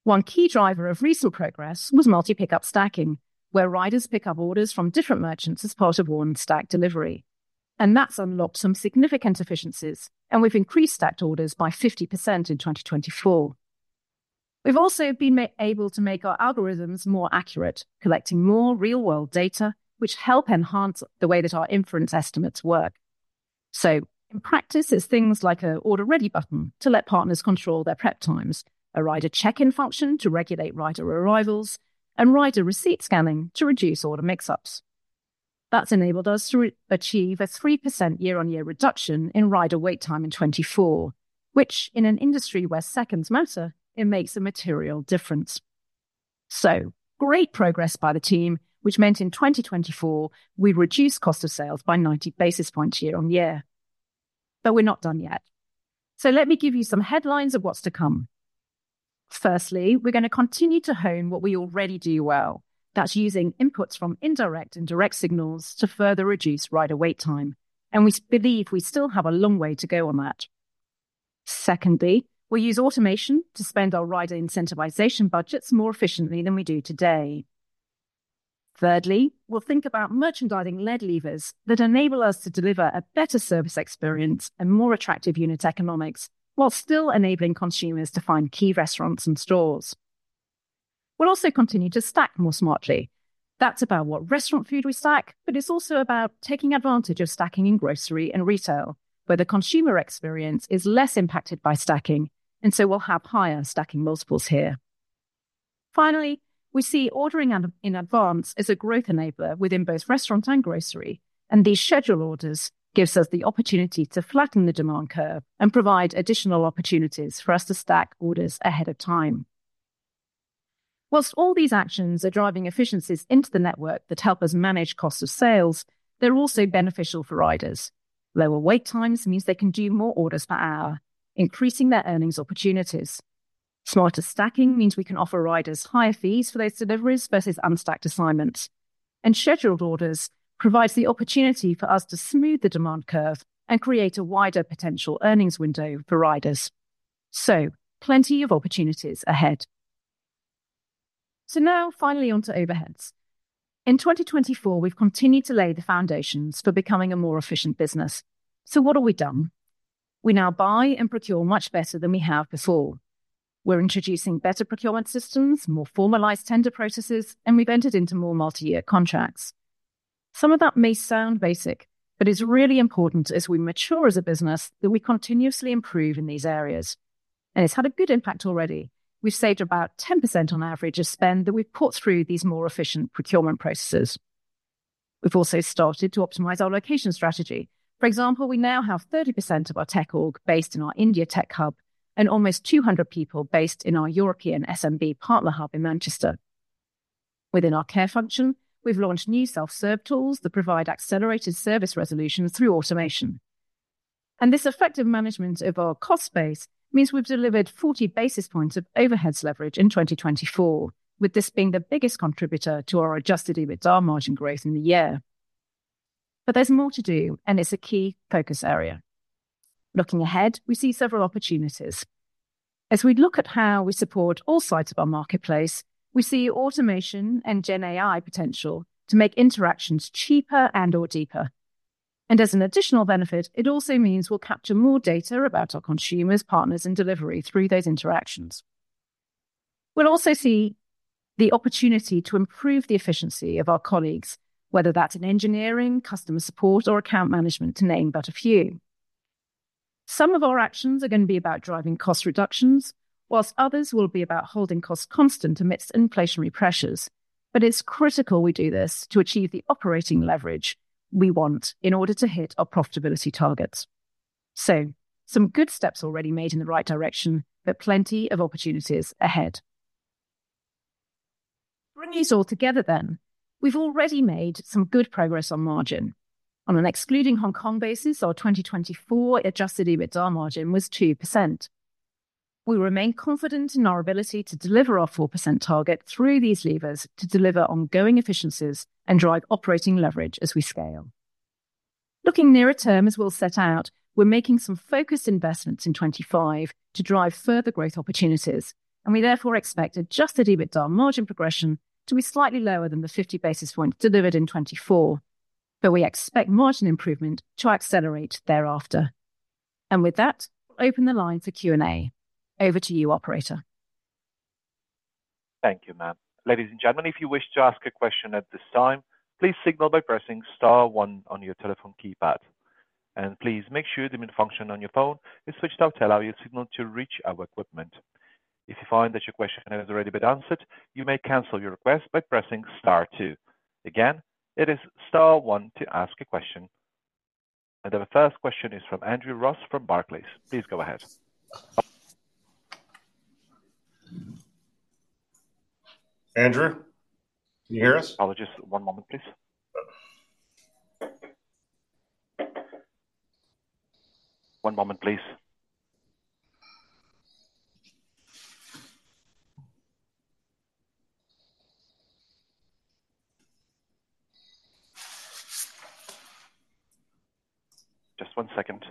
S2: One key driver of recent progress was multi-pickup stacking, where riders pick up orders from different merchants as part of one stacked delivery. That's unlocked some significant efficiencies, and we've increased stacked orders by 50% in 2024. We've also been able to make our algorithms more accurate, collecting more real-world data, which help enhance the way that our inference estimates work. In practice, it's things like an order ready button to let partners control their prep times, a rider check-in function to regulate rider arrivals, and rider receipt scanning to reduce order mix-ups. That's enabled us to achieve a 3% year-on-year reduction in rider wait time in 2024, which, in an industry where seconds matter, makes a material difference. Great progress by the team, which meant in 2024, we reduced cost of sales by 90 basis points year-on-year. We're not done yet. Let me give you some headlines of what's to come. Firstly, we're going to continue to hone what we already do well. That's using inputs from indirect and direct signals to further reduce rider wait time. We believe we still have a long way to go on that. Secondly, we'll use automation to spend our rider incentivization budgets more efficiently than we do today. Thirdly, we'll think about merchandising-led levers that enable us to deliver a better service experience and more attractive unit economics while still enabling consumers to find key restaurants and stores. We'll also continue to stack more smartly. That's about what restaurant food we stack, but it's also about taking advantage of stacking in grocery and retail, where the consumer experience is less impacted by stacking. We will have higher stacking multiples here. Finally, we see ordering in advance as a growth enabler within both restaurant and grocery. These schedule orders give us the opportunity to flatten the demand curve and provide additional opportunities for us to stack orders ahead of time. Whilst all these actions are driving efficiencies into the network that help us manage cost of sales, they are also beneficial for riders. Lower wait times means they can do more orders per hour, increasing their earnings opportunities. Smarter stacking means we can offer riders higher fees for those deliveries versus unstacked assignments. Scheduled orders provide the opportunity for us to smooth the demand curve and create a wider potential earnings window for riders. Plenty of opportunities ahead. Now, finally on to overheads. In 2024, we have continued to lay the foundations for becoming a more efficient business. What have we done? We now buy and procure much better than we have before. We're introducing better procurement systems, more formalized tender processes, and we've entered into more multi-year contracts. Some of that may sound basic, but it's really important as we mature as a business that we continuously improve in these areas. It's had a good impact already. We've saved about 10% on average of spend that we've put through these more efficient procurement processes. We've also started to optimize our location strategy. For example, we now have 30% of our tech org based in our India tech hub and almost 200 people based in our European SMB partner hub in Manchester. Within our care function, we've launched new self-serve tools that provide accelerated service resolution through automation. This effective management of our cost base means we've delivered 40 basis points of overheads leverage in 2024, with this being the biggest contributor to our adjusted EBITDA margin growth in the year. There is more to do, and it is a key focus area. Looking ahead, we see several opportunities. As we look at how we support all sides of our marketplace, we see automation and GenAI potential to make interactions cheaper and/or deeper. As an additional benefit, it also means we will capture more data about our consumers, partners, and delivery through those interactions. We will also see the opportunity to improve the efficiency of our colleagues, whether that is in engineering, customer support, or account management, to name but a few. Some of our actions are going to be about driving cost reductions, whilst others will be about holding costs constant amidst inflationary pressures. It is critical we do this to achieve the operating leverage we want in order to hit our profitability targets. Some good steps already made in the right direction, but plenty of opportunities ahead. Bringing us all together then, we've already made some good progress on margin. On an excluding Hong Kong basis, our 2024 adjusted EBITDA margin was 2%. We remain confident in our ability to deliver our 4% target through these levers to deliver ongoing efficiencies and drive operating leverage as we scale. Looking nearer term as we'll set out, we're making some focused investments in 2025 to drive further growth opportunities. We therefore expect adjusted EBITDA margin progression to be slightly lower than the 50 basis points delivered in 2024. We expect margin improvement to accelerate thereafter. With that, we'll open the line for Q&A. Over to you, operator.
S3: Thank you, ma'am. Ladies and gentlemen, if you wish to ask a question at this time, please signal by pressing Star 1 on your telephone keypad. Please make sure the main function on your phone is switched to tell our signal to reach our equipment. If you find that your question has already been answered, you may cancel your request by pressing Star 2. Again, it is Star 1 to ask a question. The first question is from Andrew Ross from Barclays. Please go ahead. Andrew, can you hear us? Apologies. One moment, please. One moment, please. Just one second.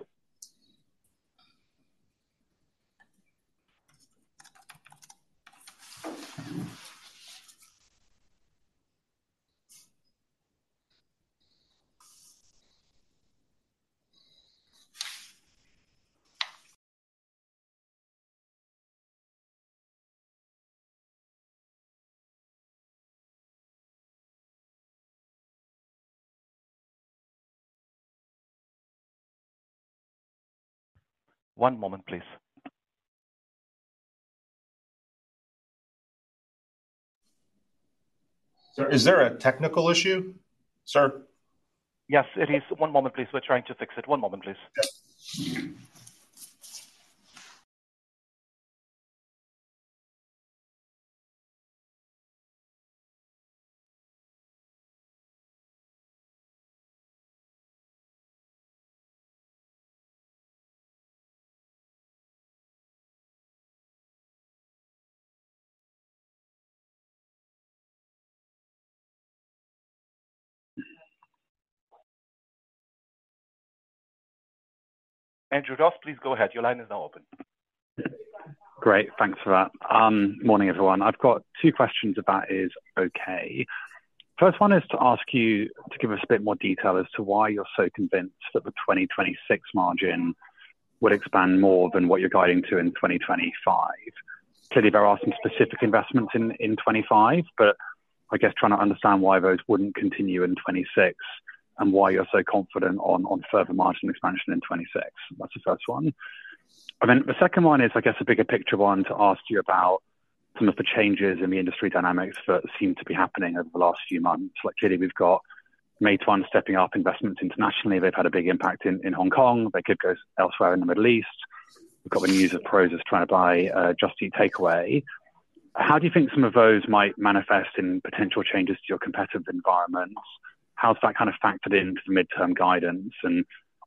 S3: One moment, please.
S1: Sir, is there a technical issue, sir?
S3: Yes, it is. One moment, please. We're trying to fix it. One moment, please. Andrew Ross, please go ahead. Your line is now open.
S4: Great. Thanks for that. Morning, everyone. I've got two questions about. Is okay. First one is to ask you to give us a bit more detail as to why you're so convinced that the 2026 margin would expand more than what you're guiding to in 2025. Clearly, there are some specific investments in 2025, but I guess trying to understand why those wouldn't continue in 2026 and why you're so confident on further margin expansion in 2026. That's the first one. The second one is, I guess, a bigger picture one to ask you about some of the changes in the industry dynamics that seem to be happening over the last few months. Clearly, we've got Meituan stepping up investments internationally. They've had a big impact in Hong Kong. They could go elsewhere in the Middle East. We've got the news of Prosus trying to buy Just Eat Takeaway. How do you think some of those might manifest in potential changes to your competitive environment? How's that kind of factored into the midterm guidance?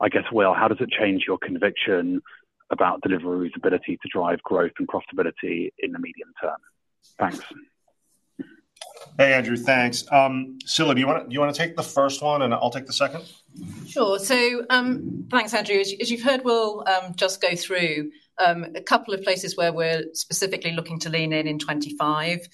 S4: I guess, Will, how does it change your conviction about Deliveroo's ability to drive growth and profitability in the medium term? Thanks.
S1: Hey, Andrew, thanks. Scilla, do you want to take the first one, and I'll take the second?
S2: Sure. Thanks, Andrew. As you've heard, we'll just go through a couple of places where we're specifically looking to lean in in 2025.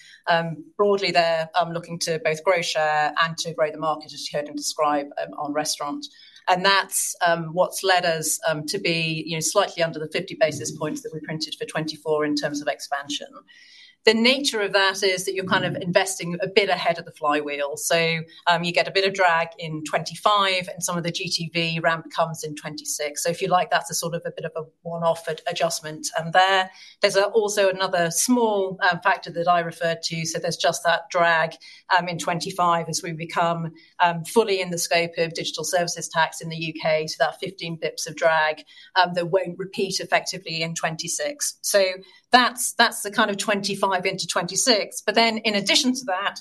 S2: Broadly, they're looking to both grow share and to grow the market, as you heard them describe, on restaurants. That's what's led us to be slightly under the 50 basis points that we printed for 2024 in terms of expansion. The nature of that is that you're kind of investing a bit ahead of the flywheel. You get a bit of drag in 2025, and some of the GTV ramp comes in 2026. If you like, that's a sort of a bit of a one-off adjustment there. There's also another small factor that I referred to. There's just that drag in 2025 as we become fully in the scope of Digital Services Tax in the U.K. That's 15 basis points of drag that won't repeat effectively in 2026. That's the kind of 2025 into 2026. In addition to that,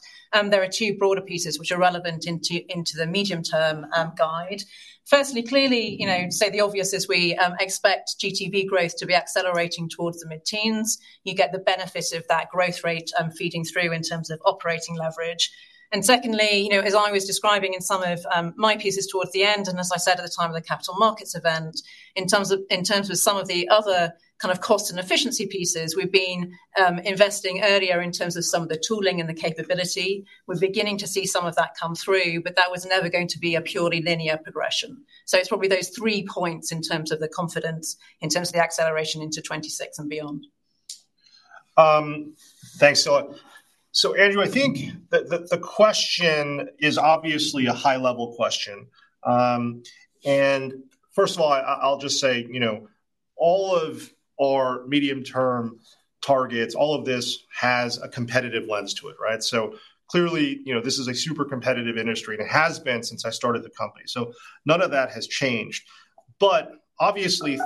S2: there are two broader pieces which are relevant into the medium-term guide. Firstly, clearly, say the obvious is we expect GTV growth to be accelerating towards the mid-teens. You get the benefit of that growth rate feeding through in terms of operating leverage. Secondly, as I was describing in some of my pieces towards the end, and as I said at the time of the Capital Markets Event, in terms of some of the other kind of cost and efficiency pieces, we've been investing earlier in terms of some of the tooling and the capability. We're beginning to see some of that come through, but that was never going to be a purely linear progression. It is probably those three points in terms of the confidence, in terms of the acceleration into 2026 and beyond.
S1: Thanks, Scilla. Andrew, I think that the question is obviously a high-level question. First of all, I'll just say, you know, all of our medium-term targets, all of this has a competitive lens to it, right? Clearly, you know, this is a super competitive industry, and it has been since I started the company. None of that has changed. Obviously,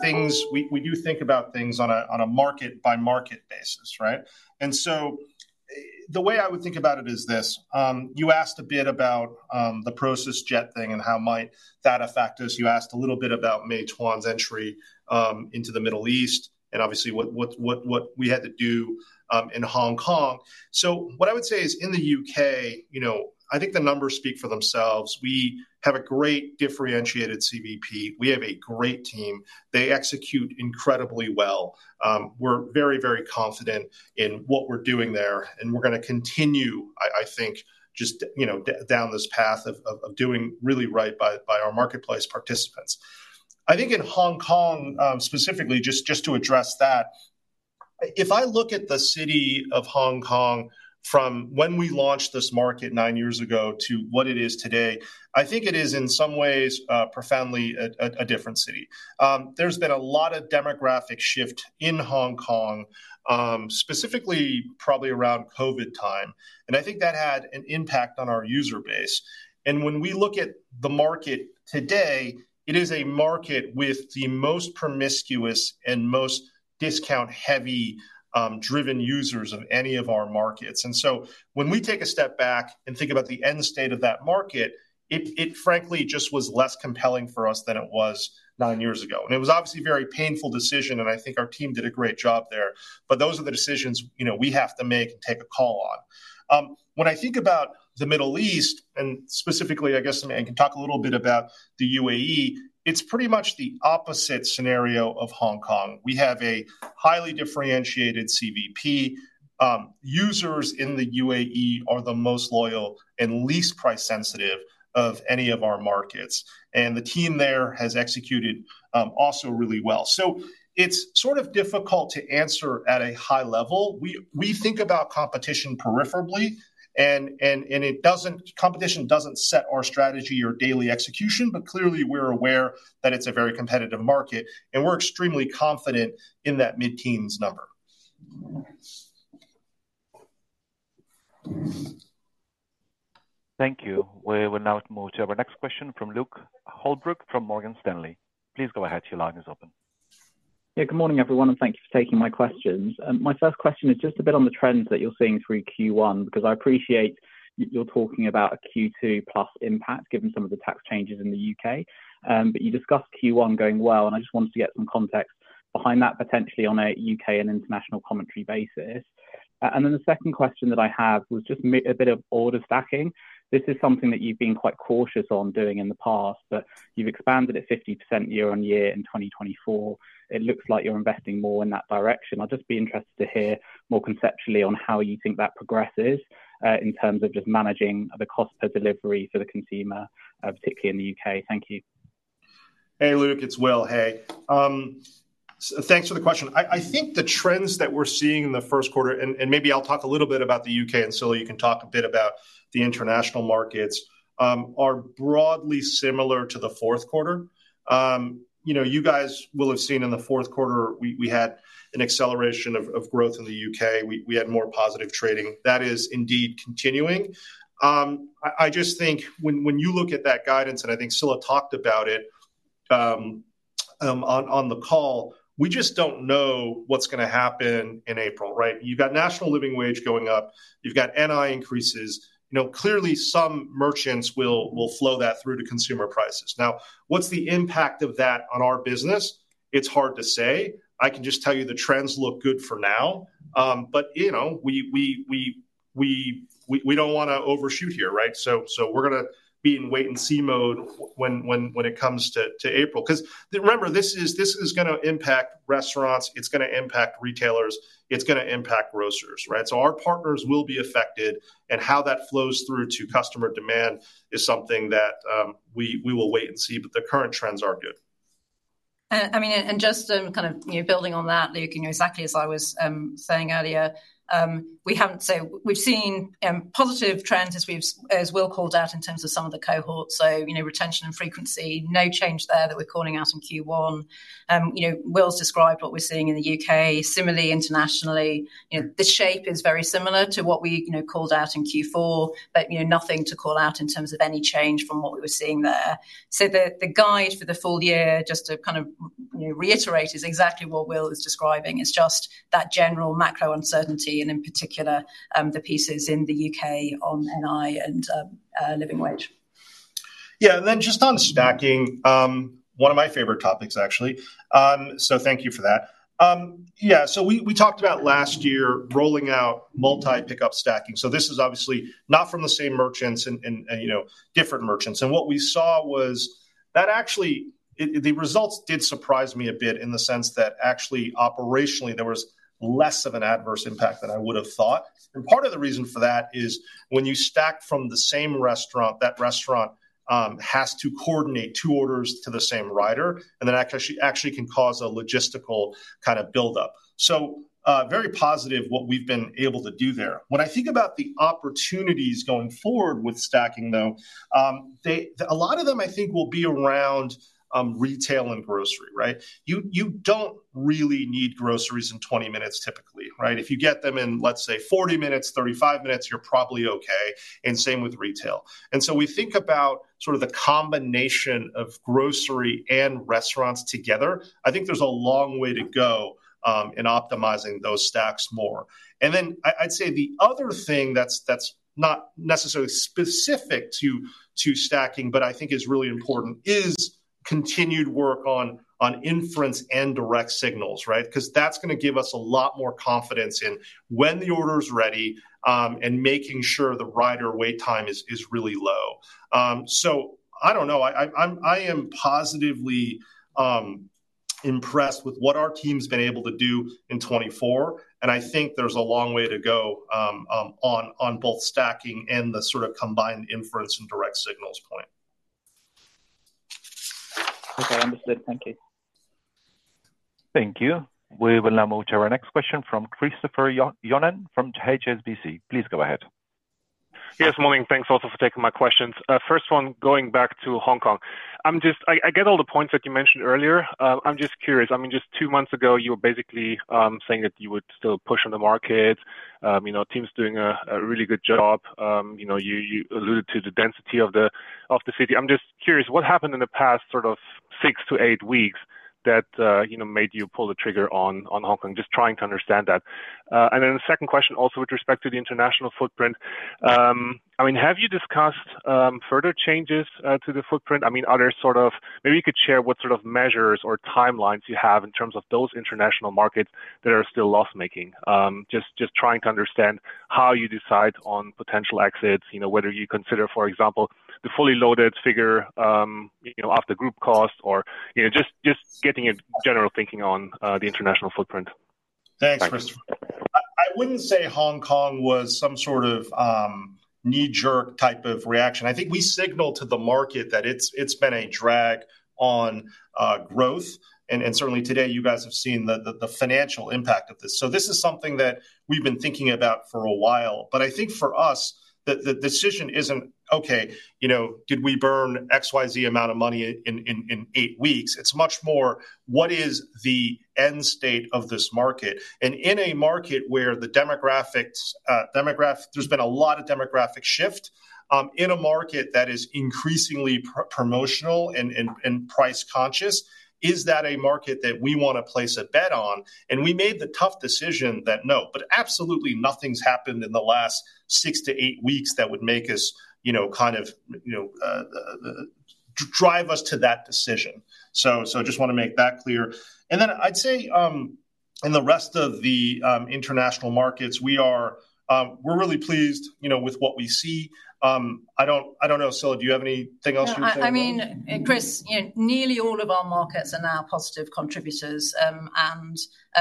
S1: we do think about things on a market-by-market basis, right? The way I would think about it is this: you asked a bit about the Prosus JET thing and how might that affect us. You asked a little bit about Meituan's entry into the Middle East and obviously what we had to do in Hong Kong. What I would say is in the U.K., you know, I think the numbers speak for themselves. We have a great differentiated CVP. We have a great team. They execute incredibly well. We're very, very confident in what we're doing there. We're going to continue, I think, just down this path of doing really right by our marketplace participants. I think in Hong Kong specifically, just to address that, if I look at the city of Hong Kong from when we launched this market nine years ago to what it is today, I think it is in some ways profoundly a different city. There's been a lot of demographic shift in Hong Kong, specifically probably around COVID time. I think that had an impact on our user base. When we look at the market today, it is a market with the most promiscuous and most discount-heavy driven users of any of our markets. When we take a step back and think about the end state of that market, it frankly just was less compelling for us than it was nine years ago. It was obviously a very painful decision, and I think our team did a great job there. Those are the decisions we have to make and take a call on. When I think about the Middle East, and specifically, I guess, and can talk a little bit about the UAE, it's pretty much the opposite scenario of Hong Kong. We have a highly differentiated CVP. Users in the UAE are the most loyal and least price-sensitive of any of our markets. The team there has executed also really well. It's sort of difficult to answer at a high level. We think about competition peripherally, and competition doesn't set our strategy or daily execution, but clearly, we're aware that it's a very competitive market, and we're extremely confident in that mid-teens number.
S3: Thank you. We will now move to our next question from Luke Holbrook from Morgan Stanley. Please go ahead. Your line is open.
S5: Yeah, good morning, everyone, and thank you for taking my questions. My first question is just a bit on the trends that you're seeing through Q1, because I appreciate you're talking about a Q2 plus impact, given some of the tax changes in the U.K. You discussed Q1 going well, and I just wanted to get some context behind that potentially on a U.K. and international commentary basis. The second question that I have was just a bit of order stacking. This is something that you've been quite cautious on doing in the past, but you've expanded at 50% year-on-year in 2024. It looks like you're investing more in that direction. I'd just be interested to hear more conceptually on how you think that progresses in terms of just managing the cost per delivery for the consumer, particularly in the U.K. Thank you.
S1: Hey, Luke, it's Will. Hey. Thanks for the question. I think the trends that we're seeing in the first quarter, and maybe I'll talk a little bit about the U.K., and Scilla, you can talk a bit about the international markets, are broadly similar to the fourth quarter. You guys will have seen in the fourth quarter, we had an acceleration of growth in the U.K. We had more positive trading. That is indeed continuing. I just think when you look at that guidance, and I think Scilla talked about it on the call, we just don't know what's going to happen in April, right? You've got National Living Wage going up. You've got NI increases. Clearly, some merchants will flow that through to consumer prices. Now, what's the impact of that on our business? It's hard to say. I can just tell you the trends look good for now. We do not want to overshoot here, right? We are going to be in wait-and-see mode when it comes to April. Because remember, this is going to impact restaurants. It is going to impact retailers. It is going to impact grocers, right? Our partners will be affected, and how that flows through to customer demand is something that we will wait and see. The current trends are good.
S2: I mean, and just kind of building on that, Luke, exactly as I was saying earlier, we have not said we have seen positive trends, as Will called out in terms of some of the cohorts. Retention and frequency, no change there that we are calling out in Q1. Will has described what we are seeing in the U.K. Similarly, internationally, the shape is very similar to what we called out in Q4, but nothing to call out in terms of any change from what we were seeing there. The guide for the full year, just to kind of reiterate, is exactly what Will is describing. It's just that general macro uncertainty, and in particular, the pieces in the U.K. on NI and living wage.
S1: Yeah, and then just on stacking, one of my favorite topics, actually. Thank you for that. Yeah, we talked about last year rolling out multi-pickup stacking. This is obviously not from the same merchants and different merchants. What we saw was that actually the results did surprise me a bit in the sense that actually operationally, there was less of an adverse impact than I would have thought. Part of the reason for that is when you stack from the same restaurant, that restaurant has to coordinate two orders to the same rider, and that actually can cause a logistical kind of buildup. Very positive what we've been able to do there. When I think about the opportunities going forward with stacking, though, a lot of them, I think, will be around retail and grocery, right? You don't really need groceries in 20 minutes, typically, right? If you get them in, let's say, 40 minutes, 35 minutes, you're probably okay. Same with retail. We think about sort of the combination of grocery and restaurants together. I think there's a long way to go in optimizing those stacks more. I'd say the other thing that's not necessarily specific to stacking, but I think is really important, is continued work on inference and direct signals, right? Because that's going to give us a lot more confidence in when the order is ready and making sure the rider wait time is really low. I don't know. I am positively impressed with what our team has been able to do in 2024. I think there's a long way to go on both stacking and the sort of combined inference and direct signals point.
S5: Okay, understood. Thank you.
S3: Thank you. We will now move to our next question from Christopher Johnen from HSBC. Please go ahead.
S6: Yes, morning. Thanks also for taking my questions. First one, going back to Hong Kong. I get all the points that you mentioned earlier. I'm just curious. I mean, just two months ago, you were basically saying that you would still push on the market. The team's doing a really good job. You alluded to the density of the city. I'm just curious, what happened in the past sort of six to eight weeks that made you pull the trigger on Hong Kong? Just trying to understand that. The second question also with respect to the international footprint. I mean, have you discussed further changes to the footprint? I mean, other sort of maybe you could share what sort of measures or timelines you have in terms of those international markets that are still loss-making, just trying to understand how you decide on potential exits, whether you consider, for example, the fully loaded figure after group cost, or just getting a general thinking on the international footprint.
S1: Thanks, Christopher. I wouldn't say Hong Kong was some sort of knee-jerk type of reaction. I think we signaled to the market that it's been a drag on growth. Certainly today, you guys have seen the financial impact of this. This is something that we've been thinking about for a while. I think for us, the decision isn't, "Okay, did we burn XYZ amount of money in eight weeks?" It is much more, "What is the end state of this market?" In a market where there's been a lot of demographic shift, in a market that is increasingly promotional and price-conscious, is that a market that we want to place a bet on? We made the tough decision that no, but absolutely nothing's happened in the last six to eight weeks that would make us kind of drive us to that decision. I just want to make that clear. I'd say in the rest of the international markets, we're really pleased with what we see. I don't know, Scilla, do you have anything else you would say?
S2: I mean, Chris, nearly all of our markets are now positive contributors.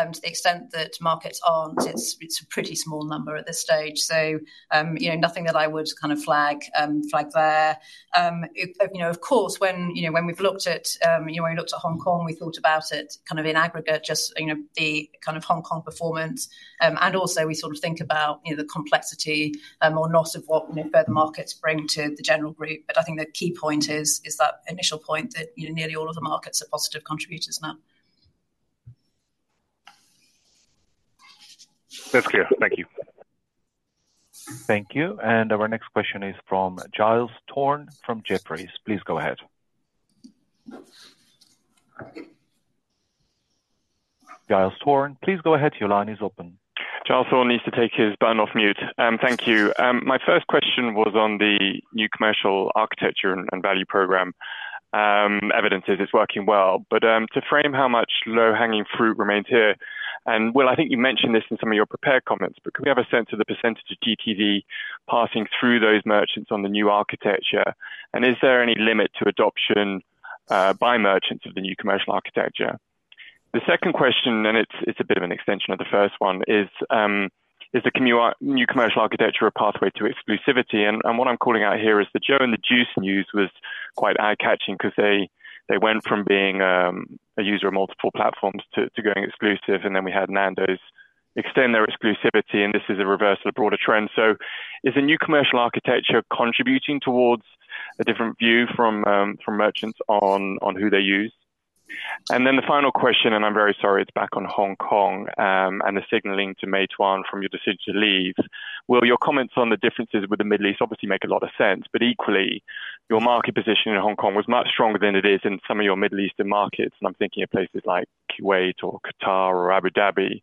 S2: To the extent that markets aren't, it's a pretty small number at this stage. Nothing that I would kind of flag there. Of course, when we looked at Hong Kong, we thought about it kind of in aggregate, just the kind of Hong Kong performance. We sort of think about the complexity or not of what further markets bring to the general group. I think the key point is that initial point that nearly all of the markets are positive contributors now.
S6: That's clear. Thank you.
S3: Thank you our next question is from Giles Thorne from Jefferies. Please go ahead. Giles Thorne, please go ahead. Your line is open. Giles Thorne needs to take his button off mute.
S7: Thank you. My first question was on the new commercial architecture and value program evidence. It's working well. To frame how much low-hanging fruit remains here, and Will, I think you mentioned this in some of your prepared comments, but can we have a sense of the percentage of GTV passing through those merchants on the new architecture? Is there any limit to adoption by merchants of the new commercial architecture? The second question, and it's a bit of an extension of the first one, is the new commercial architecture a pathway to exclusivity? What I'm calling out here is the Joe & The Juice news was quite eye-catching because they went from being a user of multiple platforms to going exclusive. We had Nando's extend their exclusivity, and this is a reversal of broader trends. Is the new commercial architecture contributing towards a different view from merchants on who they use? The final question, and I'm very sorry, it's back on Hong Kong and the signaling to Meituan from your decision to leave. Will, your comments on the differences with the Middle East obviously make a lot of sense, but equally, your market position in Hong Kong was much stronger than it is in some of your Middle Eastern markets. I'm thinking of places like Kuwait or Qatar or Abu Dhabi.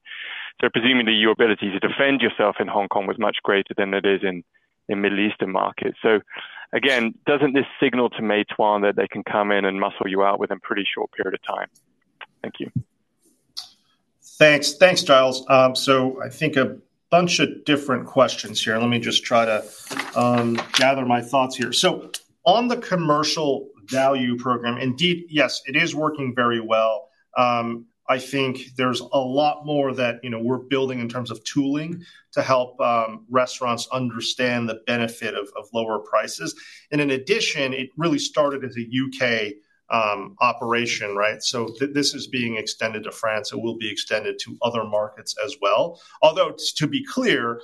S7: Presumably, your ability to defend yourself in Hong Kong was much greater than it is in Middle Eastern markets. Again, doesn't this signal to Meituan that they can come in and muscle you out within a pretty short period of time? Thank you.
S1: Thanks, Giles. I think a bunch of different questions here. Let me just try to gather my thoughts here. On the commercial value program, indeed, yes, it is working very well. I think there's a lot more that we're building in terms of tooling to help restaurants understand the benefit of lower prices. In addition, it really started as a U.K. operation, right? This is being extended to France. It will be extended to other markets as well. Although, to be clear,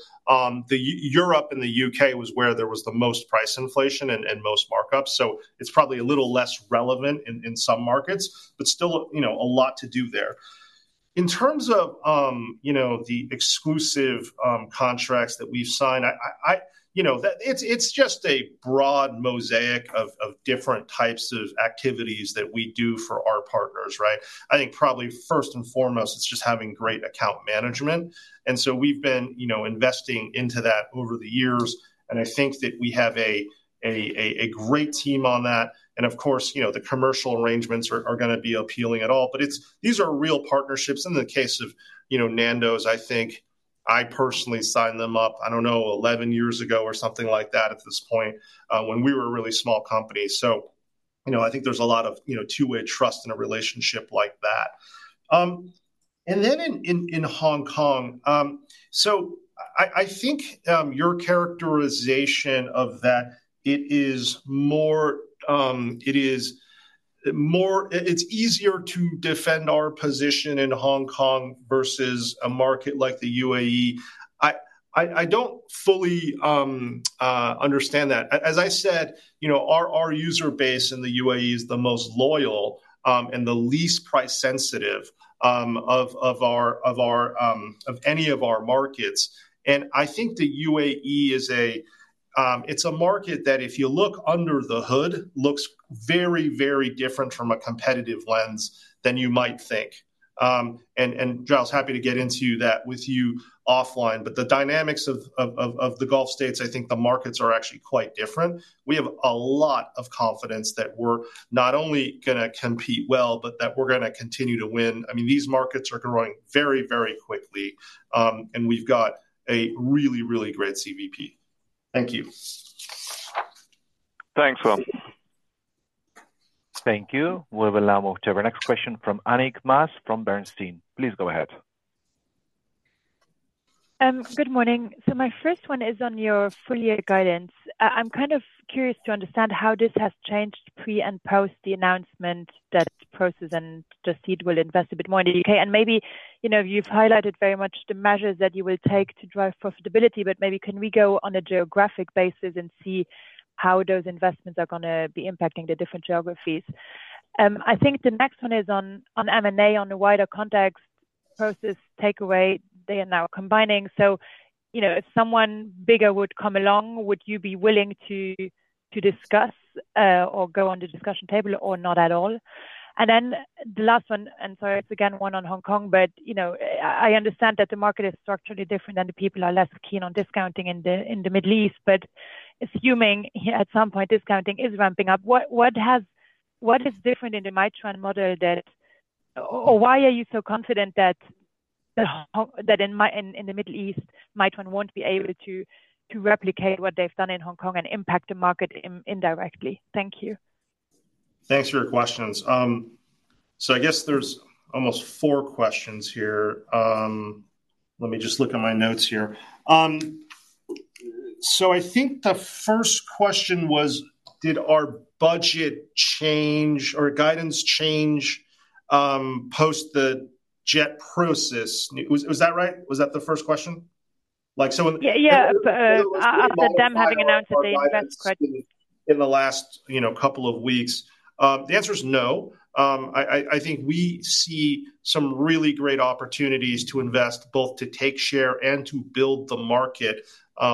S1: Europe and the U.K. was where there was the most price inflation and most markups. It's probably a little less relevant in some markets, but still a lot to do there. In terms of the exclusive contracts that we've signed, it's just a broad mosaic of different types of activities that we do for our partners, right? I think probably first and foremost, it's just having great account management. We've been investing into that over the years. I think that we have a great team on that. Of course, the commercial arrangements are going to be appealing at all. These are real partnerships. In the case of Nando's, I think I personally signed them up, I don't know, 11 years ago or something like that at this point when we were a really small company. I think there's a lot of two-way trust in a relationship like that. In Hong Kong, I think your characterization of that, it is more it's easier to defend our position in Hong Kong versus a market like the UAE. I don't fully understand that. As I said, our user base in the UAE is the most loyal and the least price-sensitive of any of our markets. I think the UAE, it's a market that if you look under the hood, looks very, very different from a competitive lens than you might think. Giles is happy to get into that with you offline. The dynamics of the Gulf States, I think the markets are actually quite different. We have a lot of confidence that we're not only going to compete well, but that we're going to continue to win. I mean, these markets are growing very, very quickly. We've got a really, really great CVP. Thank you.
S7: Thanks, Will.
S3: Thank you. We will now move to our next question from Annick Maas from Bernstein. Please go ahead.
S8: Good morning. My first one is on your four-year guidance. I'm kind of curious to understand how this has changed pre and post the announcement that Prosus and Just Eat Takeaway will invest a bit more in the U.K. Maybe you've highlighted very much the measures that you will take to drive profitability, but maybe can we go on a geographic basis and see how those investments are going to be impacting the different geographies? I think the next one is on M&A on a wider context, Prosus, Takeaway. They are now combining. If someone bigger would come along, would you be willing to discuss or go on the discussion table or not at all? Then the last one, and so it's again one on Hong Kong, but I understand that the market is structurally different and the people are less keen on discounting in the Middle East. Assuming at some point discounting is ramping up, what is different in the Meituan model that, or why are you so confident that in the Middle East, Meituan won't be able to replicate what they've done in Hong Kong and impact the market indirectly? Thank you.
S1: Thanks for your questions. I guess there's almost four questions here. Let me just look at my notes here. I think the first question was, did our budget change or guidance change post the JET-Prosus? Was that right? Was that the first question?
S8: Yeah, yeah. After them having announced that they invested.
S1: In the last couple of weeks. The answer is no. I think we see some really great opportunities to invest both to take share and to build the market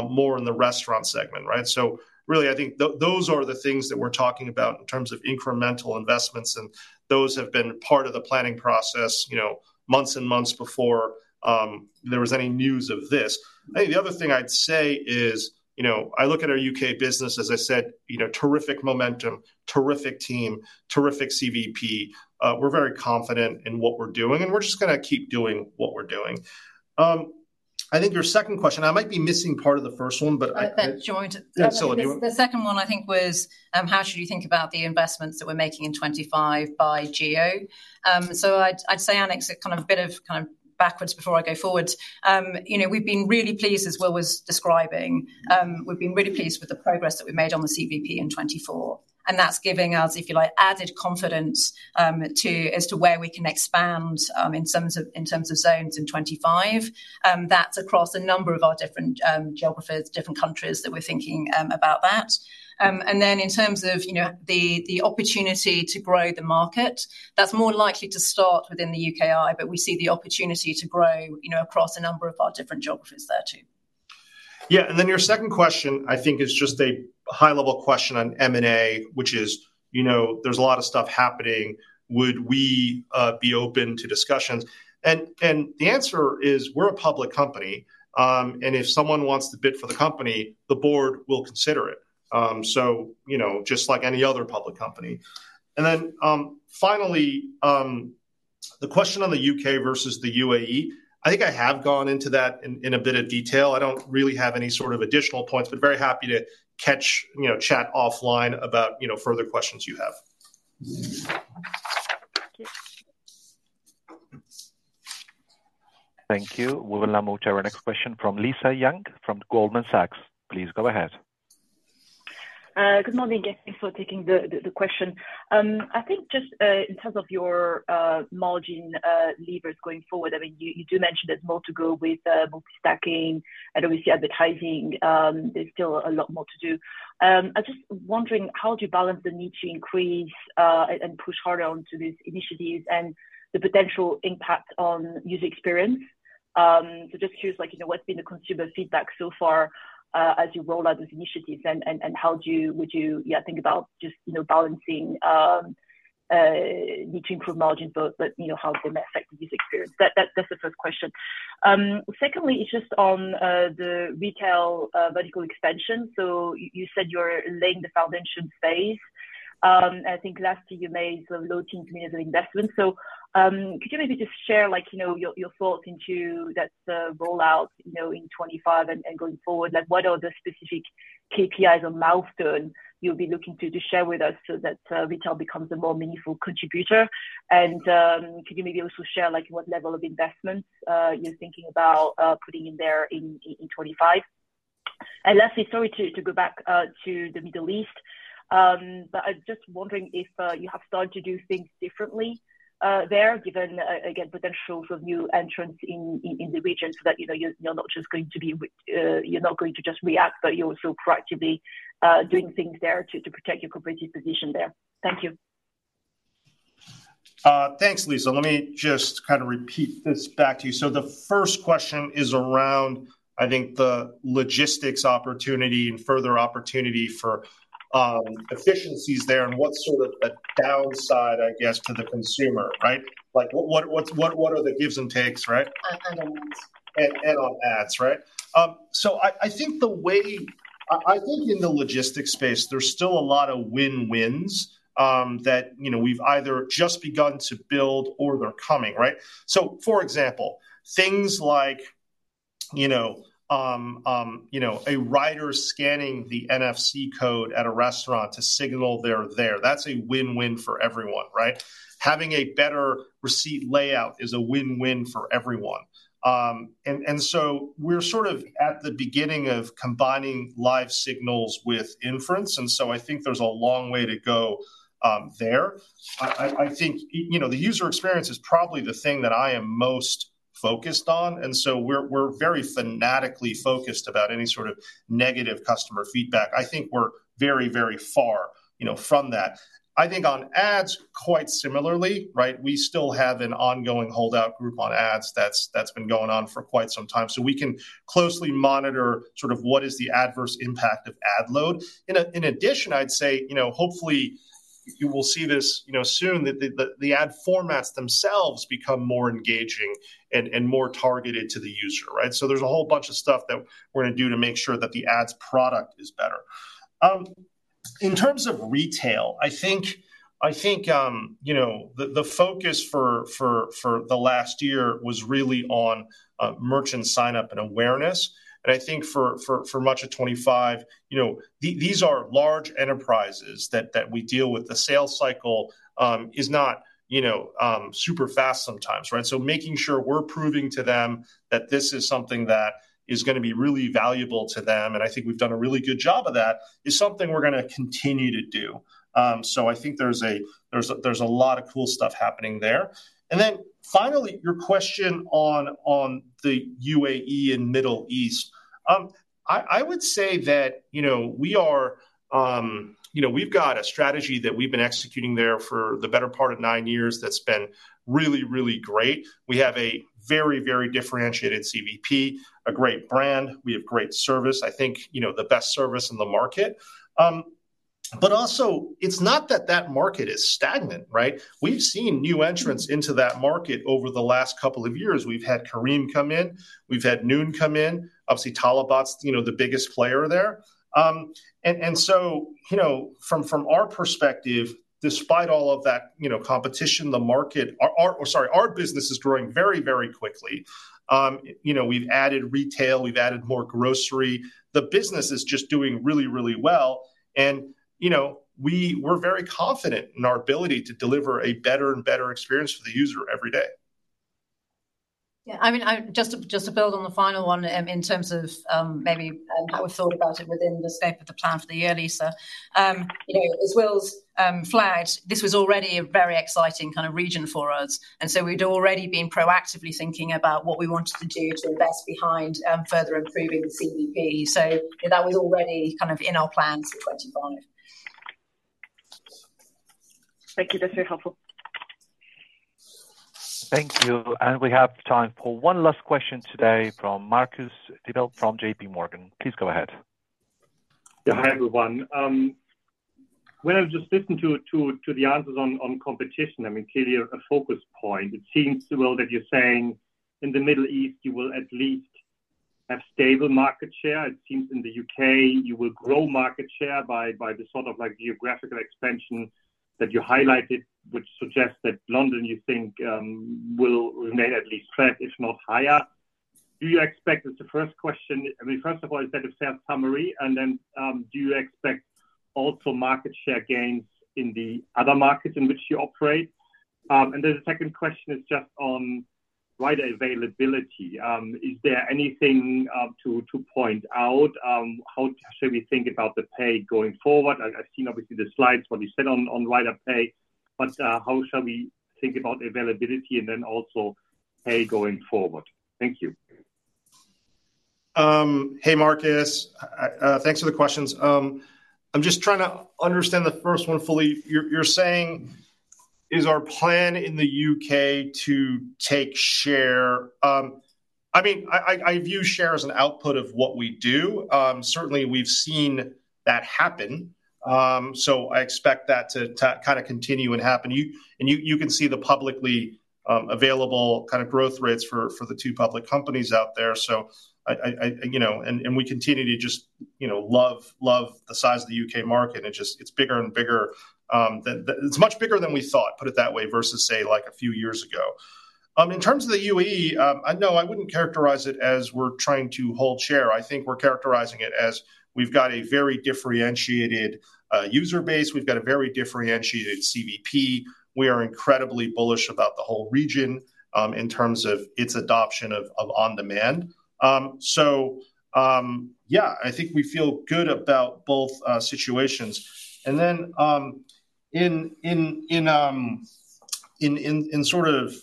S1: more in the restaurant segment, right? Really, I think those are the things that we're talking about in terms of incremental investments. Those have been part of the planning process months and months before there was any news of this. I think the other thing I'd say is I look at our U.K. business, as I said, terrific momentum, terrific team, terrific CVP. We're very confident in what we're doing, and we're just going to keep doing what we're doing. I think your second question, I might be missing part of the first one, but I think
S2: the second one, I think, was how should you think about the investments that we're making in 2025 by geo? I'd say, Annick, it's kind of a bit of kind of backwards before I go forward. We've been really pleased as Will was describing. We've been really pleased with the progress that we've made on the CVP in 2024. And that's giving us, if you like, added confidence as to where we can expand in terms of zones in 2025. That's across a number of our different geographies, different countries that we're thinking about that. Then in terms of the opportunity to grow the market, that's more likely to start within the UKI, but we see the opportunity to grow across a number of our different geographies there too.
S1: Yeah. Then your second question, I think, is just a high-level question on M&A, which is there's a lot of stuff happening. Would we be open to discussions? The answer is we're a public company. If someone wants to bid for the company, the board will consider it. Just like any other public company. Finally, the question on the U.K. versus the UAE, I think I have gone into that in a bit of detail. I do not really have any sort of additional points, but very happy to catch chat offline about further questions you have.
S3: Thank you. We will now move to our next question from Lisa Yang from Goldman Sachs. Please go ahead.
S9: Good morning, thank you for taking the question. I think just in terms of your margin levers going forward, I mean, you do mention there is more to go with multi-stacking and obviously advertising. There is still a lot more to do. I am just wondering how do you balance the need to increase and push harder onto these initiatives and the potential impact on user experience? Just curious what's been the consumer feedback so far as you roll out these initiatives and how would you think about just balancing need to improve margin, but how they may affect the user experience? That's the first question. Secondly, it's just on the retail vertical expansion. You said you're laying the foundation phase. I think last year, you made sort of low teens meaning of investment. Could you maybe just share your thoughts into that rollout in 2025 and going forward? What are the specific KPIs or milestones you'll be looking to share with us so that retail becomes a more meaningful contributor? Could you maybe also share what level of investments you're thinking about putting in there in 2025? Lastly, sorry to go back to the Middle East, but I'm just wondering if you have started to do things differently there, given, again, potential for new entrants in the region so that you're not just going to be, you're not going to just react, but you're also proactively doing things there to protect your competitive position there. Thank you.
S1: Thanks, Lisa. Let me just kind of repeat this back to you. The first question is around, I think, the logistics opportunity and further opportunity for efficiencies there and what's sort of the downside, I guess, to the consumer, right? What are the gives and takes, right? On ads, right? I think the way I think in the logistics space, there's still a lot of win-wins that we've either just begun to build or they're coming, right? For example, things like a rider scanning the NFC code at a restaurant to signal they're there. That's a win-win for everyone, right? Having a better receipt layout is a win-win for everyone. We're sort of at the beginning of combining live signals with inference. I think there's a long way to go there. I think the user experience is probably the thing that I am most focused on. We're very fanatically focused about any sort of negative customer feedback. I think we're very, very far from that. I think on ads, quite similarly, right? We still have an ongoing holdout group on ads that's been going on for quite some time. We can closely monitor sort of what is the adverse impact of ad load. In addition, I'd say hopefully you will see this soon that the ad formats themselves become more engaging and more targeted to the user, right? There is a whole bunch of stuff that we're going to do to make sure that the ads product is better. In terms of retail, I think the focus for the last year was really on merchant sign-up and awareness. I think for much of 2025, these are large enterprises that we deal with. The sales cycle is not super fast sometimes, right? Making sure we're proving to them that this is something that is going to be really valuable to them, and I think we've done a really good job of that, is something we're going to continue to do. I think there's a lot of cool stuff happening there. Finally, your question on the UAE and Middle East, I would say that we have got a strategy that we have been executing there for the better part of nine years that has been really, really great. We have a very, very differentiated CVP, a great brand. We have great service. I think the best service in the market. Also, it is not that that market is stagnant, right? We have seen new entrants into that market over the last couple of years. We have had Careem come in. We have had Noon come in. Obviously, Talabat is the biggest player there. From our perspective, despite all of that competition, the market, or sorry, our business is growing very, very quickly. We have added retail. We have added more grocery. The business is just doing really, really well. We're very confident in our ability to deliver a better and better experience for the user every day.
S2: Yeah. I mean, just to build on the final one in terms of maybe how we've thought about it within the scope of the plan for the year, Lisa, as Will's flagged, this was already a very exciting kind of region for us. We'd already been proactively thinking about what we wanted to do to invest behind further improving the CVP. That was already kind of in our plans for 2025.
S9: Thank you. That's very helpful.
S3: Thank you. We have time for one last question today from Marcus Diebel from JPMorgan. Please go ahead.
S10: Hi, everyone. When I just listen to the answers on competition, I mean, clearly a focus point, it seems, Will, that you're saying in the Middle East, you will at least have stable market share. It seems in the U.K., you will grow market share by the sort of geographical expansion that you highlighted, which suggests that London, you think, will remain at least flat, if not higher. Do you expect this is the first question. I mean, first of all, is that a fair summary? Do you expect also market share gains in the other markets in which you operate? The second question is just on rider availability. Is there anything to point out? How should we think about the pay going forward? I've seen, obviously, the slides, what you said on rider pay, but how shall we think about availability and then also pay going forward? Thank you.
S1: Hey, Marcus. Thanks for the questions. I'm just trying to understand the first one fully. You're saying is our plan in the U.K. to take share? I mean, I view share as an output of what we do. Certainly, we've seen that happen. I expect that to kind of continue and happen. You can see the publicly available kind of growth rates for the two public companies out there. We continue to just love the size of the U.K. market. It's bigger and bigger. It's much bigger than we thought, put it that way, versus, say, a few years ago. In terms of the UAE, no, I wouldn't characterize it as we're trying to hold share. I think we're characterizing it as we've got a very differentiated user base. We've got a very differentiated CVP. We are incredibly bullish about the whole region in terms of its adoption of on-demand. Yeah, I think we feel good about both situations. In sort of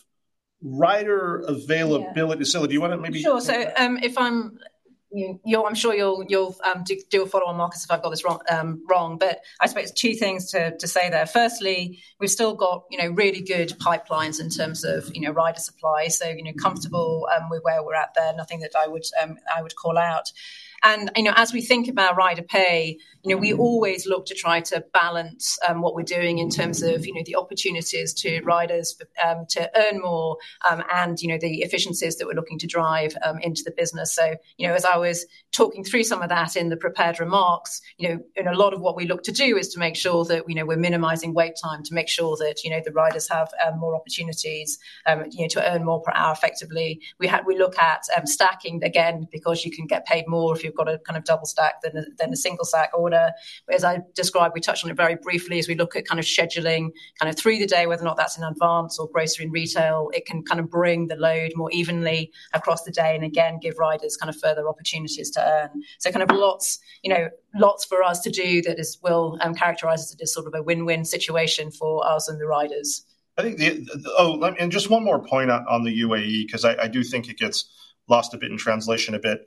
S1: rider availability, do you want to maybe?
S2: Sure. I'm sure you'll do a follow-on, Marcus, if I've got this wrong, but I suppose two things to say there. Firstly, we've still got really good pipelines in terms of rider supply. Comfortable with where we're at there. Nothing that I would call out. As we think about rider pay, we always look to try to balance what we're doing in terms of the opportunities to riders to earn more and the efficiencies that we're looking to drive into the business. As I was talking through some of that in the prepared remarks, a lot of what we look to do is to make sure that we're minimizing wait time to make sure that the riders have more opportunities to earn more per hour effectively. We look at stacking again because you can get paid more if you've got a kind of double stack than a single stack order. As I described, we touched on it very briefly as we look at kind of scheduling kind of through the day, whether or not that's in advance or grocery and retail, it can kind of bring the load more evenly across the day and again, give riders kind of further opportunities to earn. Kind of lots for us to do that will characterize as sort of a win-win situation for us and the riders.
S1: I think, oh, and just one more point on the UAE, because I do think it gets lost a bit in translation a bit.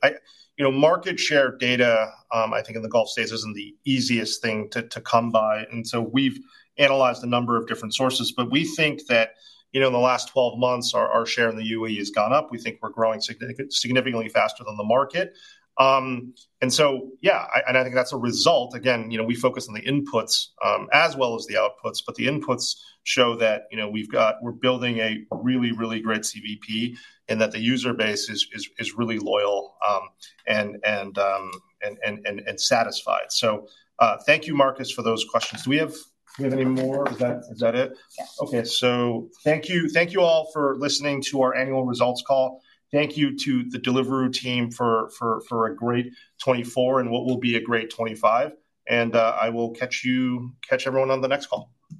S1: Market share data, I think in the Gulf States, is not the easiest thing to come by. We have analyzed a number of different sources, but we think that in the last 12 months, our share in the UAE has gone up. We think we are growing significantly faster than the market. I think that is a result. Again, we focus on the inputs as well as the outputs, but the inputs show that we are building a really, really great CVP and that the user base is really loyal and satisfied. Thank you, Marcus, for those questions. Do we have any more? Is that it? Yes. Thank you all for listening to our annual results call. Thank you to the Deliveroo team for a great 2024 and what will be a great 2025. I will catch you, catch everyone on the next call.